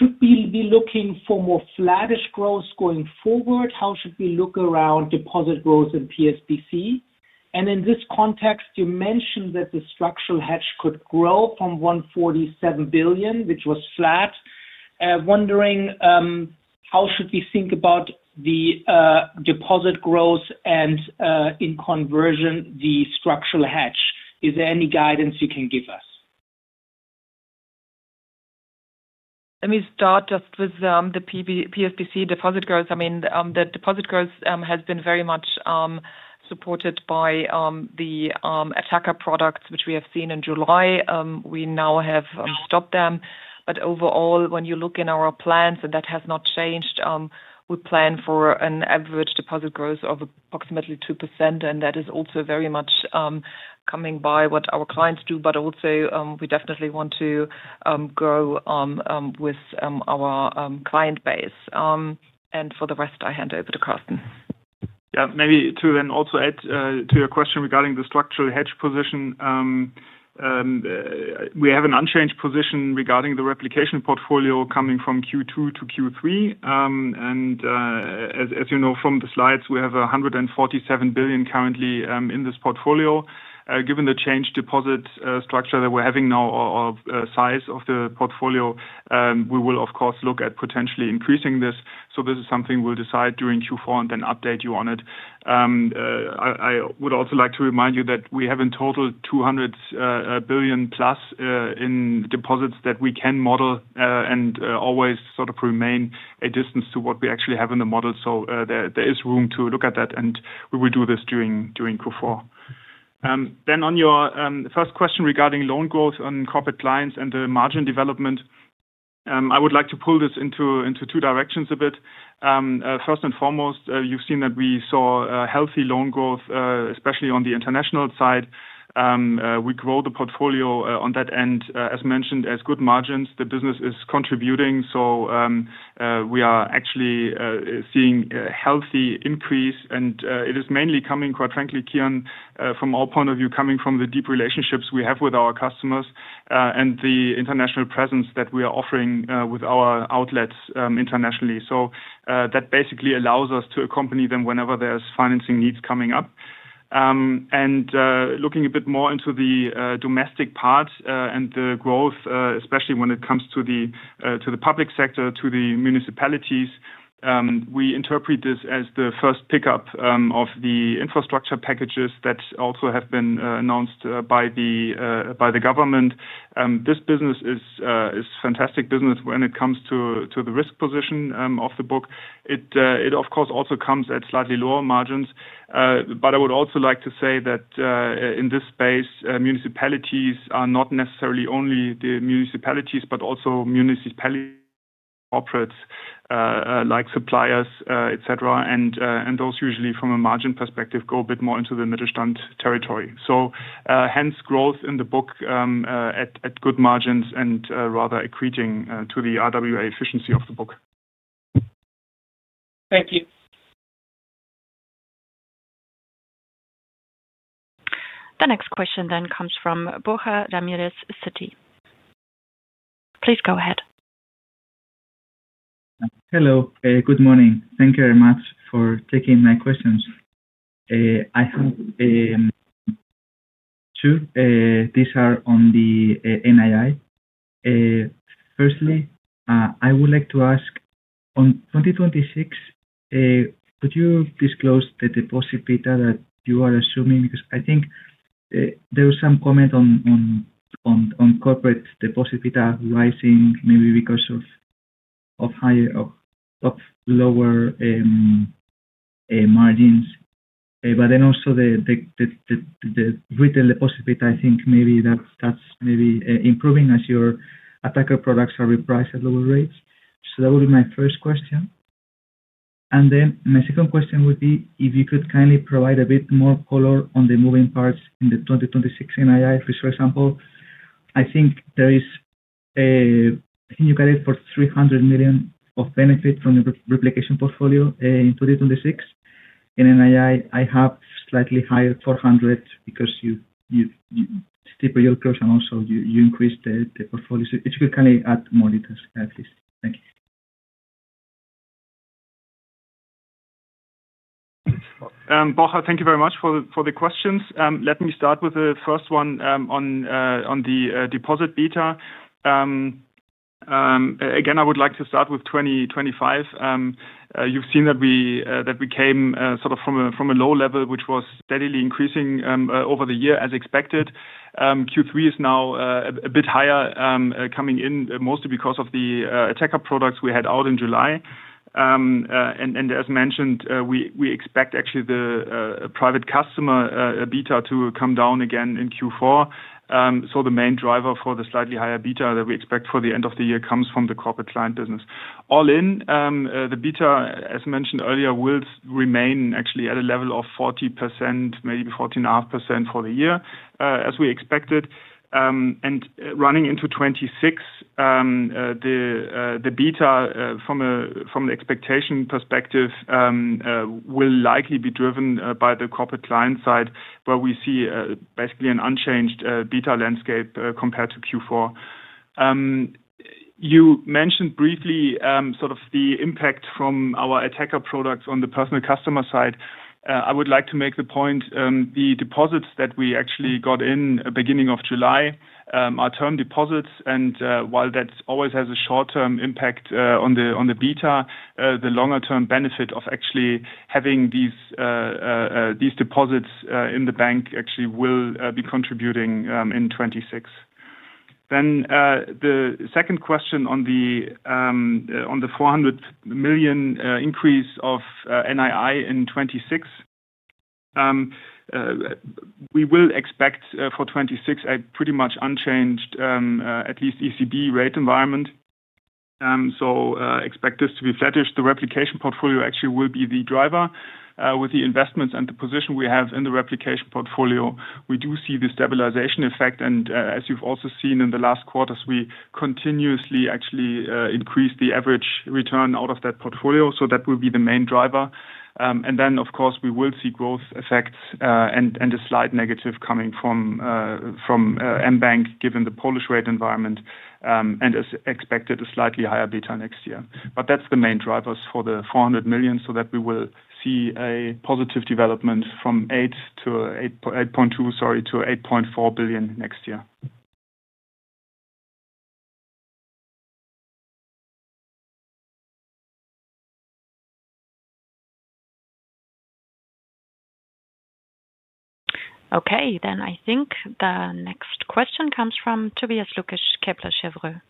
Should we be looking for more flattish growth going forward? How should we look around deposit growth in PSBC? In this context, you mentioned that the structural hedge could grow from 147 billion, which was flat. Wondering, how should we think about the deposit growth and, in conversion, the structural hedge? Is there any guidance you can give us?
Let me start just with the PSBC deposit growth. I mean, the deposit growth has been very much supported by the attacker products, which we have seen in July. We now have stopped them. Overall, when you look in our plans, and that has not changed, we plan for an average deposit growth of approximately 2%. That is also very much coming by what our clients do, but also we definitely want to grow with our client base. For the rest, I hand over to Carsten.
Yeah, maybe to then also add to your question regarding the structural hedge position. We have an unchanged position regarding the replication portfolio coming from Q2 to Q3. As you know from the slides, we have 147 billion currently in this portfolio. Given the changed deposit structure that we're having now, or size of the portfolio, we will, of course, look at potentially increasing this. This is something we'll decide during Q4 and then update you on it. I would also like to remind you that we have in total 200 billion plus in deposits that we can model and always sort of remain a distance to what we actually have in the model. There is room to look at that, and we will do this during Q4. On your first question regarding loan growth on Corporate Clients and the margin development, I would like to pull this into two directions a bit. First and foremost, you've seen that we saw healthy loan growth, especially on the international side. We grow the portfolio on that end, as mentioned, as good margins. The business is contributing, so we are actually seeing a healthy increase. It is mainly coming, quite frankly, Kian, from our point of view, coming from the deep relationships we have with our customers and the international presence that we are offering with our outlets internationally. That basically allows us to accompany them whenever there are financing needs coming up. Looking a bit more into the domestic part and the growth, especially when it comes to the public sector, to the municipalities. We interpret this as the first pickup of the infrastructure packages that also have been announced by the government. This business is a fantastic business when it comes to the risk position of the book. It, of course, also comes at slightly lower margins. I would also like to say that in this space, municipalities are not necessarily only the municipalities, but also municipality corporates, like suppliers, etc. Those usually, from a margin perspective, go a bit more into the middle-stand territory. Hence, growth in the book at good margins and rather accreting to the RWA efficiency of the book.
Thank you.
The next question then comes from Borja Ramirez, Citi. Please go ahead.
Hello. Good morning. Thank you very much for taking my questions. I have two. These are on the NII. Firstly, I would like to ask on 2026. Could you disclose the deposit beta that you are assuming? Because I think there is some comment on corporate deposit beta rising maybe because of lower margins. Also, the retail deposit beta, I think maybe that's maybe improving as your attacker products are repriced at lower rates. That would be my first question. My second question would be if you could kindly provide a bit more color on the moving parts in the 2026 NII, for example. I think there is, you got it for 300 million of benefit from the replication portfolio in 2026. In NII, I have slightly higher, 400 million, because you steeper yield curve and also you increased the portfolio. If you could kindly add more details, please. Thank you.
Borja, thank you very much for the questions. Let me start with the first one on the deposit beta. Again, I would like to start with 2025. You've seen that we came sort of from a low level, which was steadily increasing over the year as expected. Q3 is now a bit higher coming in, mostly because of the attacker products we had out in July. As mentioned, we expect actually the private customer beta to come down again in Q4. The main driver for the slightly higher beta that we expect for the end of the year comes from the corporate client business. All in, the beta, as mentioned earlier, will remain actually at a level of 40%, maybe 40.5% for the year, as we expected. Running into 2026, the beta from the expectation perspective will likely be driven by the corporate client side, where we see basically an unchanged beta landscape compared to Q4. You mentioned briefly sort of the impact from our attacker products on the personal customer side. I would like to make the point the deposits that we actually got in at the beginning of July are term deposits. While that always has a short-term impact on the beta, the longer-term benefit of actually having these deposits in the bank actually will be contributing in 2026. The second question on the 400 million increase of NII in 2026. We will expect for 2026 a pretty much unchanged, at least ECB rate environment. Expect this to be flattish. The replication portfolio actually will be the driver. With the investments and the position we have in the replication portfolio, we do see the stabilization effect. As you have also seen in the last quarters, we continuously actually increased the average return out of that portfolio. That will be the main driver. Of course, we will see growth effects and a slight negative coming from mBank, given the Polish rate environment. As expected, a slightly higher beta next year. That is the main drivers for the 400 million, so we will see a positive development from 8 billion-8.2 billion, sorry, to 8.4 billion next year.
Okay. I think the next question comes from Tobias Lukesch, Kepler Cheuvreux.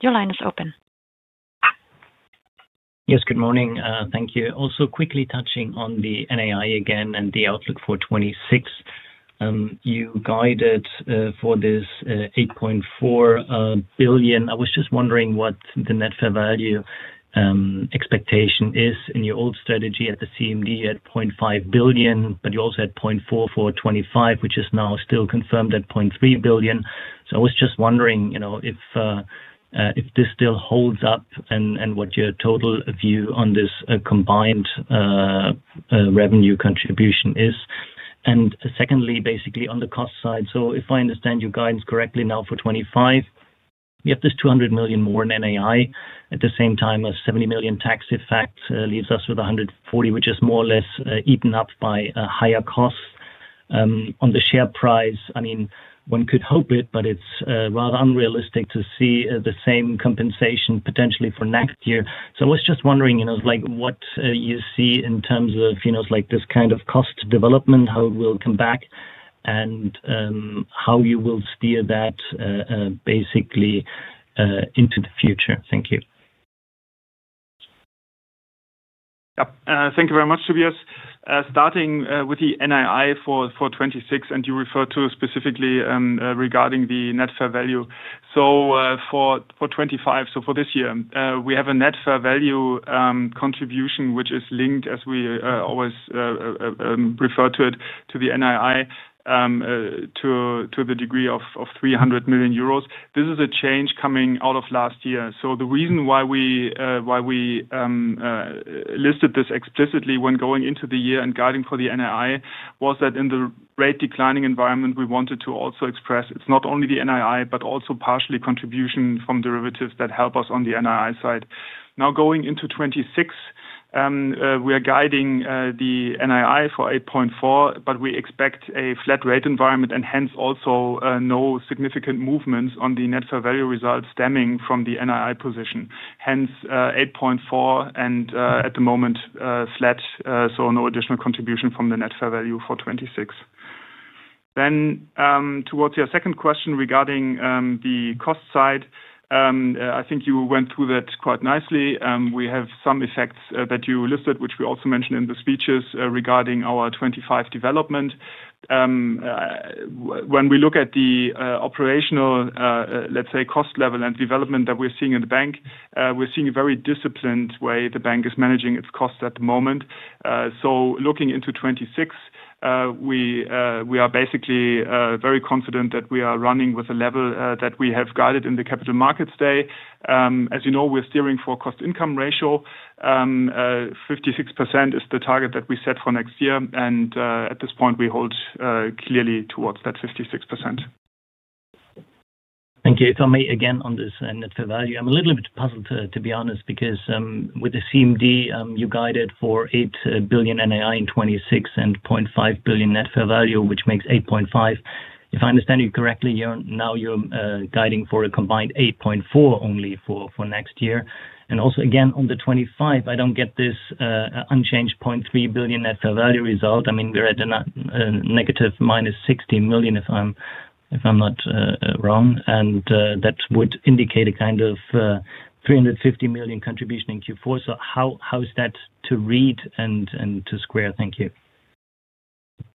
Your line is open.
Yes, good morning. Thank you. Also quickly touching on the NII again and the outlook for 2026. You guided for this 8.4 billion. I was just wondering what the net fair value expectation is. In your old strategy at the CMD, you had 0.5 billion, but you also had 0.4 billion for 2025, which is now still confirmed at 0.3 billion. I was just wondering if. This still holds up and what your total view on this combined revenue contribution is. Secondly, basically on the cost side, if I understand your guidance correctly now for 2025, we have this 200 million more in NII at the same time as 70 million tax effect leaves us with 140 million, which is more or less eaten up by higher costs. On the share price, I mean, one could hope it, but it is rather unrealistic to see the same compensation potentially for next year. I was just wondering what you see in terms of this kind of cost development, how it will come back, and how you will steer that basically into the future. Thank you.
Yeah, thank you very much, Tobias. Starting with the NII for 2026, and you refer to specifically regarding the net fair value. For 2025, for this year, we have a net fair value contribution which is linked, as we always refer to it, to the NII to the degree of 300 million euros. This is a change coming out of last year. The reason why we listed this explicitly when going into the year and guiding for the NII was that in the rate declining environment, we wanted to also express it is not only the NII, but also partially contribution from derivatives that help us on the NII side. Now, going into 2026, we are guiding the NII for 8.4 billion, but we expect a flat rate environment and hence also no significant movements on the net fair value result stemming from the NII position. Hence 8.4 billion and at the moment flat, so no additional contribution from the net fair value for 2026. Towards your second question regarding the cost side, I think you went through that quite nicely. We have some effects that you listed, which we also mentioned in the speeches regarding our 2025 development. When we look at the operational, let's say, cost level and development that we're seeing in the bank, we're seeing a very disciplined way the bank is managing its costs at the moment. Looking into 2026, we are basically very confident that we are running with a level that we have guided in the capital markets day. As you know, we're steering for cost-income ratio. 56% is the target that we set for next year. At this point, we hold clearly towards that 56%.
Thank you. If I may again on this net fair value, I'm a little bit puzzled, to be honest, because with the CMD, you guided for 8 billion NAI in 2026 and 0.5 billion net fair value, which makes 8.5 billion. If I understand you correctly, now you're guiding for a combined 8.4 billion only for next year. Also, again, on the 2025, I don't get this unchanged 0.3 billion net fair value result. I mean, we're at a negative minus 60 million, if I'm not wrong. That would indicate a kind of 350 million contribution in Q4. How is that to read and to square? Thank you.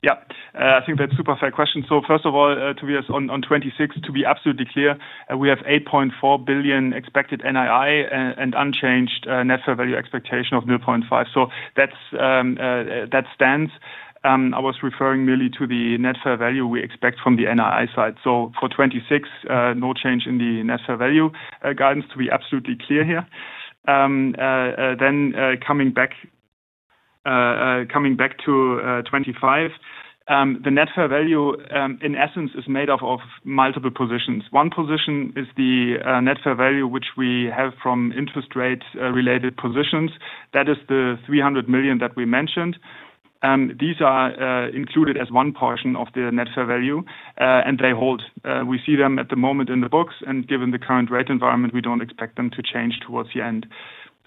Yeah. I think that's a super fair question. First of all, Tobias, on 2026, to be absolutely clear, we have 8.4 billion expected NII and unchanged net fair value expectation of 0.5 billion. That stands. I was referring merely to the net fair value we expect from the NII side. For 2026, no change in the net fair value guidance to be absolutely clear here. Coming back to 2025, the net fair value, in essence, is made up of multiple positions. One position is the net fair value, which we have from interest rate-related positions. That is the 300 million that we mentioned. These are included as one portion of the net fair value, and they hold. We see them at the moment in the books, and given the current rate environment, we do not expect them to change towards the end.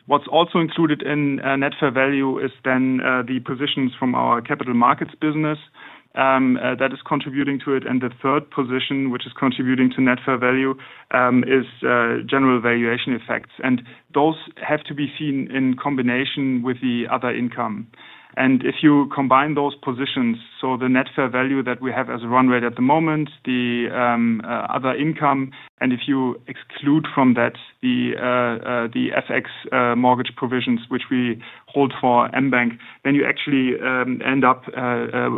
What is also included in net fair value is the positions from our capital markets business. That is contributing to it. The third position, which is contributing to net fair value, is general valuation effects. Those have to be seen in combination with the other income. If you combine those positions, so the net fair value that we have as a run rate at the moment, the other income, and if you exclude from that the FX mortgage provisions, which we hold for mBank, then you actually end up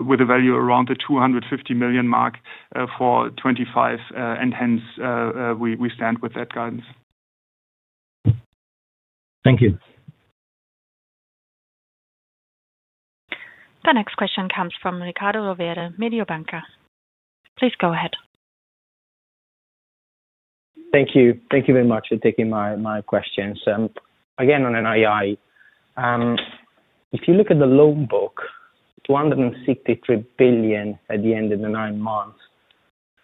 with a value around the 250 million mark for 2025. Hence, we stand with that guidance.
Thank you.
The next question comes from Riccardo Rovere, Mediobanca. Please go ahead. Thank you.
Thank you very much for taking my questions. Again, on NII. If you look at the loan book, 263 billion at the end of the 9 months.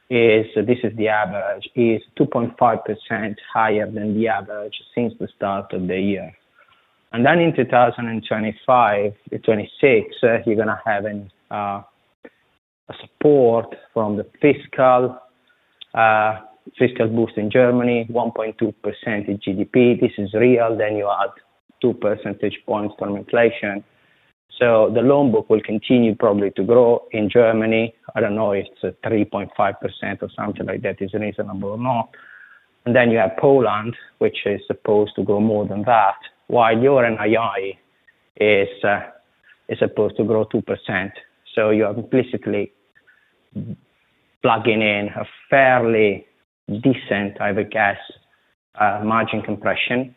This is the average, is 2.5% higher than the average since the start of the year. In 2025-2026, you're going to have a support from the fiscal boost in Germany, 1.2% GDP. This is real. Then you add 2 percentage points from inflation. The loan book will contianue to grow. I do not know if 3.5% or something like that is reasonable or not. You have Poland, which is supposed to grow more than that, while your NII is supposed to grow 2%. You are implicitly plugging in a fairly decent, I would guess, margin compression.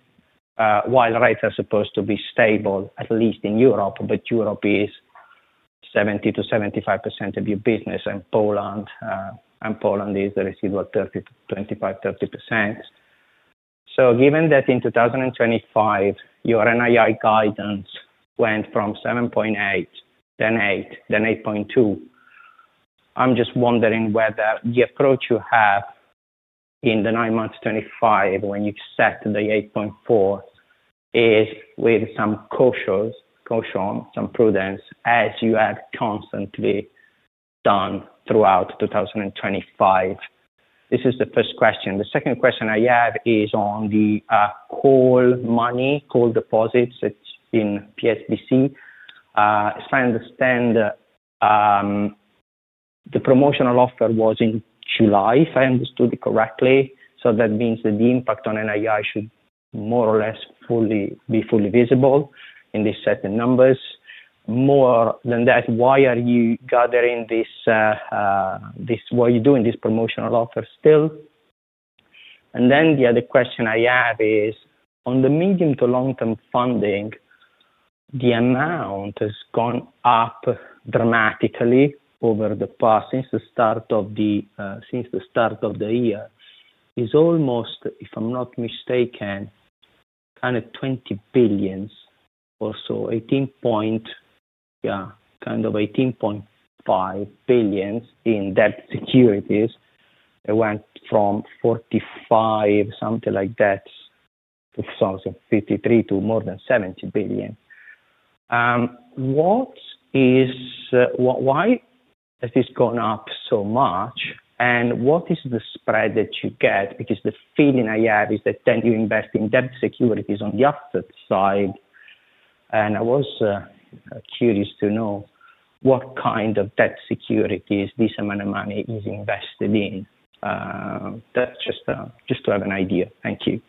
Rates are supposed to be stable, at least in Europe. Europe is 70%-75% of your business, and Poland is the residual 25%-30%. Given that in 2025, your NII guidance went from 7.8 billion, then 8 billion, then 8.2 billion, I am just wondering whether the approach you have in the 9 months 2025, when you set the 8.4 billion, is with some caution, some prudence, as you have constantly done throughout 2025. This is the first question. The second question I have is on the coal money, coal deposits in PSBC. If I understand, the promotional offer was in July, if I understood it correctly. That means that the impact on NII should more or less be fully visible in these certain numbers. More than that, why are you gathering, what you're doing, this promotional offer still? The other question I have is on the medium to long-term funding. The amount has gone up dramatically over the past since the start of the year. It's almost, if I'm not mistaken, kind of 20 billion or so, 18.5 billion in debt securities. It went from 45 billion, something like that, to 53 billion to more than 70 billion. Why has this gone up so much? What is the spread that you get? Because the feeling I have is that then you invest in debt securities on the asset side. I was curious to know what kind of debt securities this amount of money is invested in. That is just to have an idea. Thank you.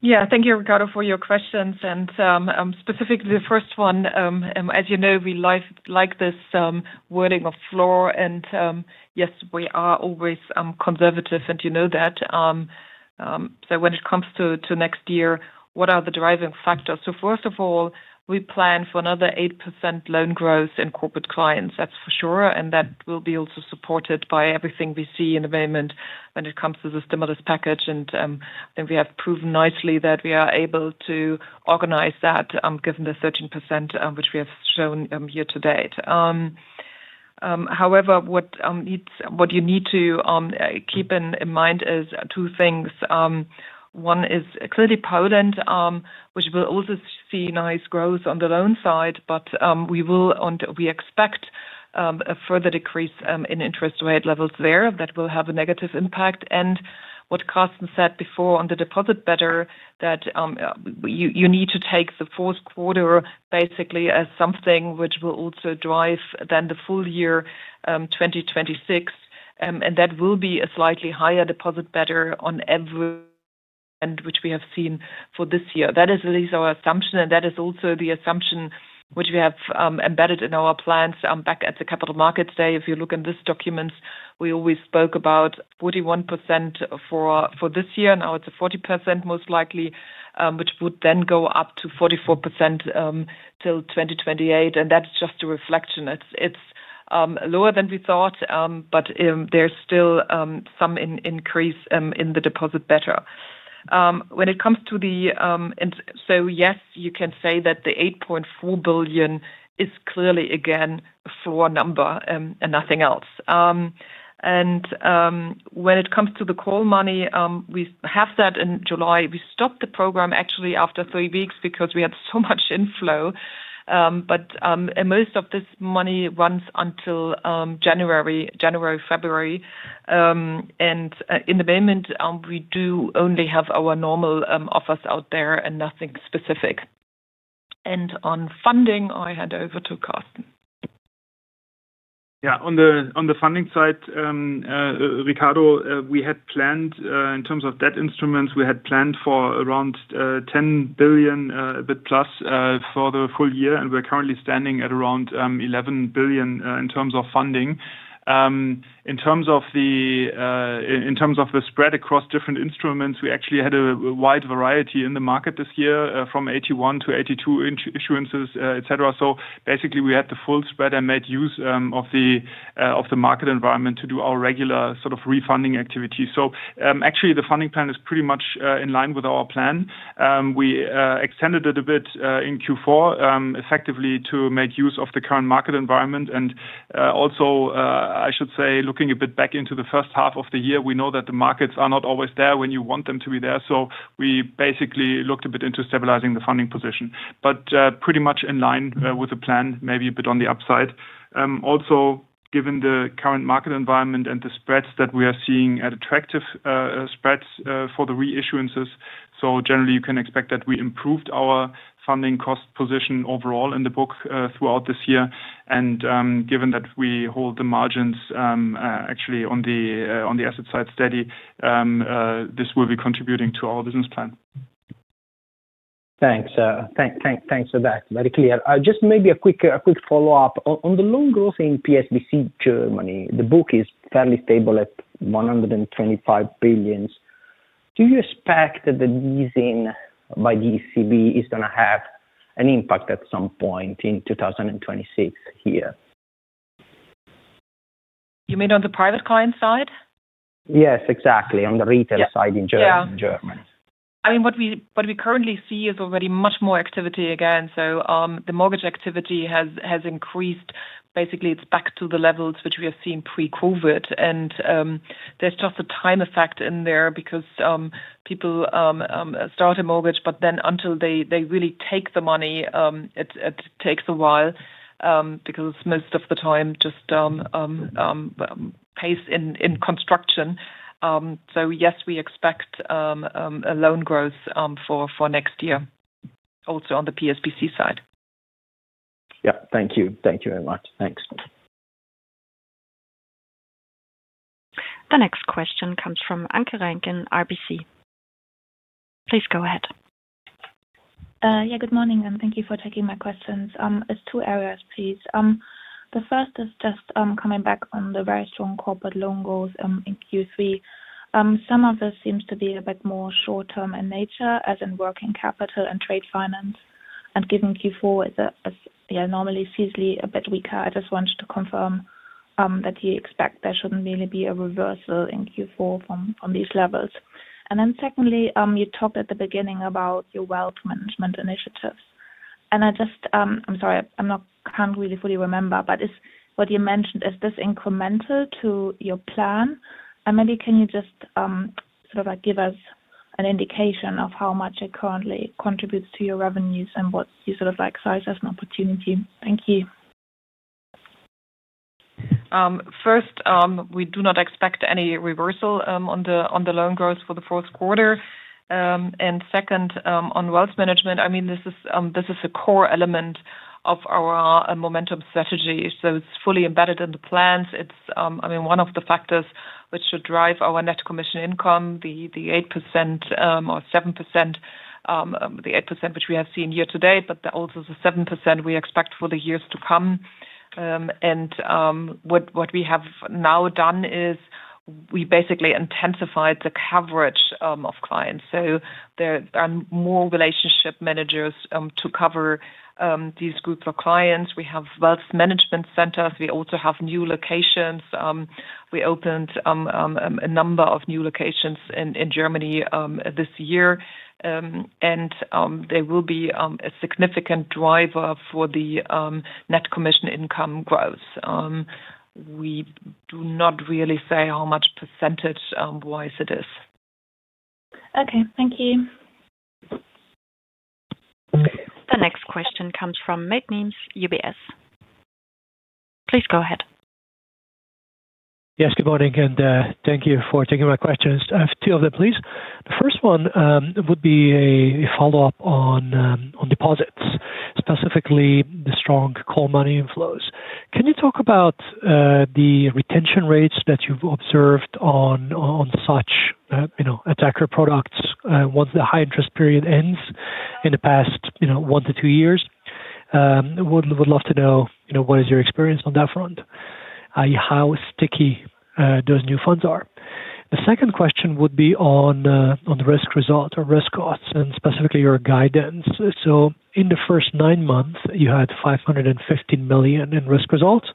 Yeah. Thank you, Riccardo, for your questions. Specifically, the first one, as you know, we like this wording of floor. Yes, we are always conservative, and you know that. When it comes to next year, what are the driving factors? First of all, we plan for another 8% loan growth in Corporate Clients, that is for sure. That will be also supported by everything we see in the moment when it comes to the stimulus package. I think we have proven nicely that we are able to organize that given the 13% which we have shown year to date. However, what you need to keep in mind is two things. One is clearly Poland, which will also see nice growth on the loan side, but we expect a further decrease in interest rate levels there that will have a negative impact. What Carsten said before on the deposit better, you need to take the fourth quarter basically as something which will also drive then the full year 2026. That will be a slightly higher deposit better on every end which we have seen for this year. That is at least our assumption. That is also the assumption which we have embedded in our plans back at the capital markets day. If you look in these documents, we always spoke about 41% for this year. Now it is 40% most likely, which would then go up to 44% till 2028. That is just a reflection. It's lower than we thought, but there's still some increase in the deposit better. When it comes to the. Yes, you can say that the 8.4 billion is clearly, again, a floor number and nothing else. When it comes to the call money, we have that in July. We stopped the program actually after 3 weeks because we had so much inflow. Most of this money runs until January, February. In the moment, we do only have our normal offers out there and nothing specific. On funding, I hand over to Carsten.
On the funding side, Ricardo, we had planned in terms of debt instruments, we had planned for around 10 billion, a bit plus for the full year. We're currently standing at around 11 billion in terms of funding. In terms of the spread across different instruments, we actually had a wide variety in the market this year from 81-82 issuances, etc. Basically, we had the full spread and made use of the market environment to do our regular sort of refunding activity. Actually, the funding plan is pretty much in line with our plan. We extended it a bit in Q4 effectively to make use of the current market environment. I should say, looking a bit back into the first half of the year, we know that the markets are not always there when you want them to be there. We basically looked a bit into stabilizing the funding position, but pretty much in line with the plan, maybe a bit on the upside. Also, given the current market environment and the spreads that we are seeing at attractive spreads for the reissuances, you can expect that we improved our funding cost position overall in the book throughout this year. Given that we hold the margins actually on the asset side steady, this will be contributing to our business plan.
Thanks. Thanks for that. Very clear. Just maybe a quick follow-up. On the loan growth in PSBC Germany, the book is fairly stable at 125 billion. Do you expect that the easing by the ECB is going to have an impact at some point in 2026 here?
You mean on the private client side?
Yes, exactly. On the retail side in Germany.
I mean, what we currently see is already much more activity again. The mortgage activity has increased. Basically, it is back to the levels which we have seen pre-COVID. There is just a time effect in there because people start a mortgage, but then until they really take the money, it takes a while because most of the time it just pays in construction. Yes, we expect loan growth for next year also on the PSBC side.
Yeah. Thank you. Thank you very much. Thanks.
The next question comes from Anke Reingen, RBC. Please go ahead.
Yeah. Good morning. And thank you for taking my questions. It is two areas, please. The first is just coming back on the very strong corporate loan goals in Q3. Some of this seems to be a bit more short-term in nature, as in working capital and trade finance. Given Q4 is normally seasonally a bit weaker, I just wanted to confirm that you expect there should not really be a reversal in Q4 from these levels. Then secondly, you talked at the beginning about your wealth management initiatives. I'm sorry, I can't really fully remember, but what you mentioned, is this incremental to your plan? Maybe can you just sort of give us an indication of how much it currently contributes to your revenues and what you sort of like size as an opportunity? Thank you.
First, we do not expect any reversal on the loan growth for the fourth quarter. Second, on wealth management, I mean, this is a core element of our momentum strategy. It is fully embedded in the plans. I mean, one of the factors which should drive our net commission income, the 8% or 7%. The 8% which we have seen year to date, but also the 7% we expect for the years to come. What we have now done is we basically intensified the coverage of clients. So there are more relationship managers to cover these groups of clients. We have wealth management centers. We also have new locations. We opened a number of new locations in Germany this year. And they will be a significant driver for the net commission income growth. We do not really say how much percentage-wise it is.
Okay. Thank you.
The next question comes from Mate Nemes, UBS. Please go ahead.
Yes. Good morning. And thank you for taking my questions. I have two of them, please. The first one would be a follow-up on deposits, specifically the strong call money inflows. Can you talk about the retention rates that you've observed on such attacker products once the high-interest period ends in the past 1-2 years? I would love to know what is your experience on that front. How sticky those new funds are. The second question would be on the risk result or risk costs and specifically your guidance. In the first 9 months, you had 515 million in risk results.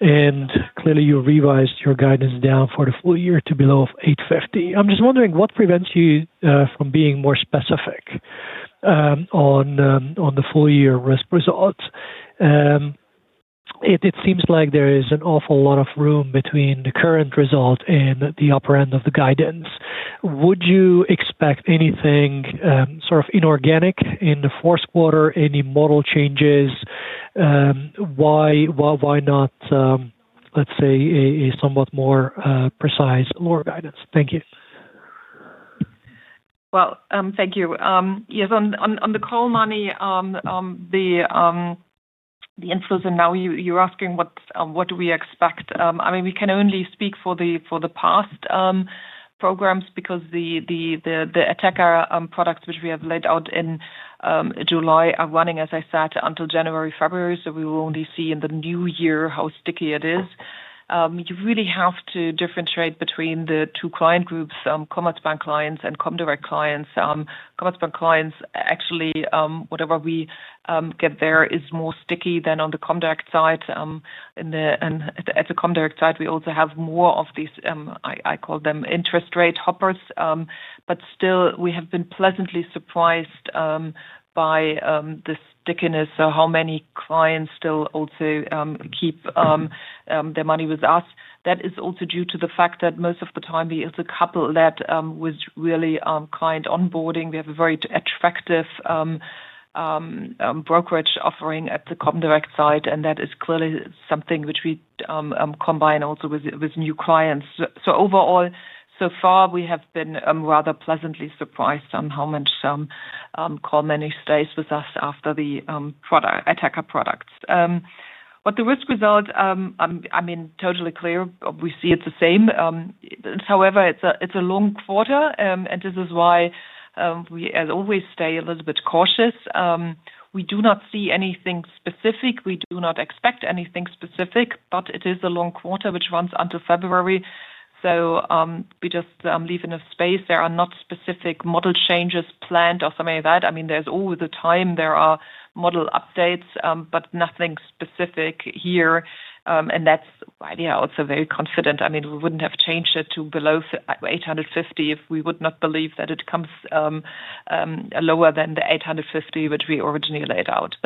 Clearly, you revised your guidance down for the full year to below 850 million. I'm just wondering what prevents you from being more specific on the full-year risk results. It seems like there is an awful lot of room between the current result and the upper end of the guidance. Would you expect anything sort of inorganic in the fourth quarter, any model changes? Why not, let's say, a somewhat more precise lower guidance? Thank you.
Yes, on the call money, the influence, and now you're asking what do we expect. I mean, we can only speak for the past. Programs because the attacker products which we have laid out in July are running, as I said, until January, February. We will only see in the new year how sticky it is. You really have to differentiate between the two client groups, Commerzbank clients and Comdirect clients. Commerzbank clients, actually, whatever we get there is more sticky than on the Comdirect side. At the Comdirect side, we also have more of these, I call them interest rate hoppers. Still, we have been pleasantly surprised by the stickiness, how many clients still also keep their money with us. That is also due to the fact that most of the time, we also couple that with really client onboarding. We have a very attractive brokerage offering at the Comdirect side, and that is clearly something which we combine also with new clients. Overall, so far, we have been rather pleasantly surprised on how much core money stays with us after the attacker products. The risk result, I mean, totally clear. We see it's the same. However, it's a long quarter, and this is why we, as always, stay a little bit cautious. We do not see anything specific. We do not expect anything specific, but it is a long quarter which runs until February. We just leave enough space. There are not specific model changes planned or something like that. I mean, all the time there are model updates, but nothing specific here. That's why we are also very confident. I mean, we wouldn't have changed it to below 850 million if we would not believe that it comes lower than the 850 million which we originally laid out.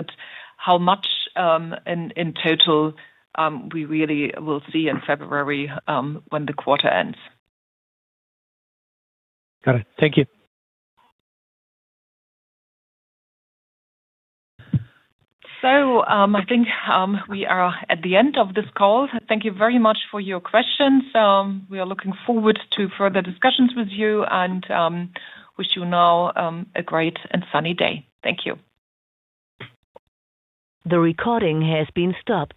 How much in total. We really will see in February when the quarter ends.
Got it. Thank you.
I think we are at the end of this call. Thank you very much for your questions. We are looking forward to further discussions with you and wish you now a great and sunny day. Thank you. The recording has been stopped.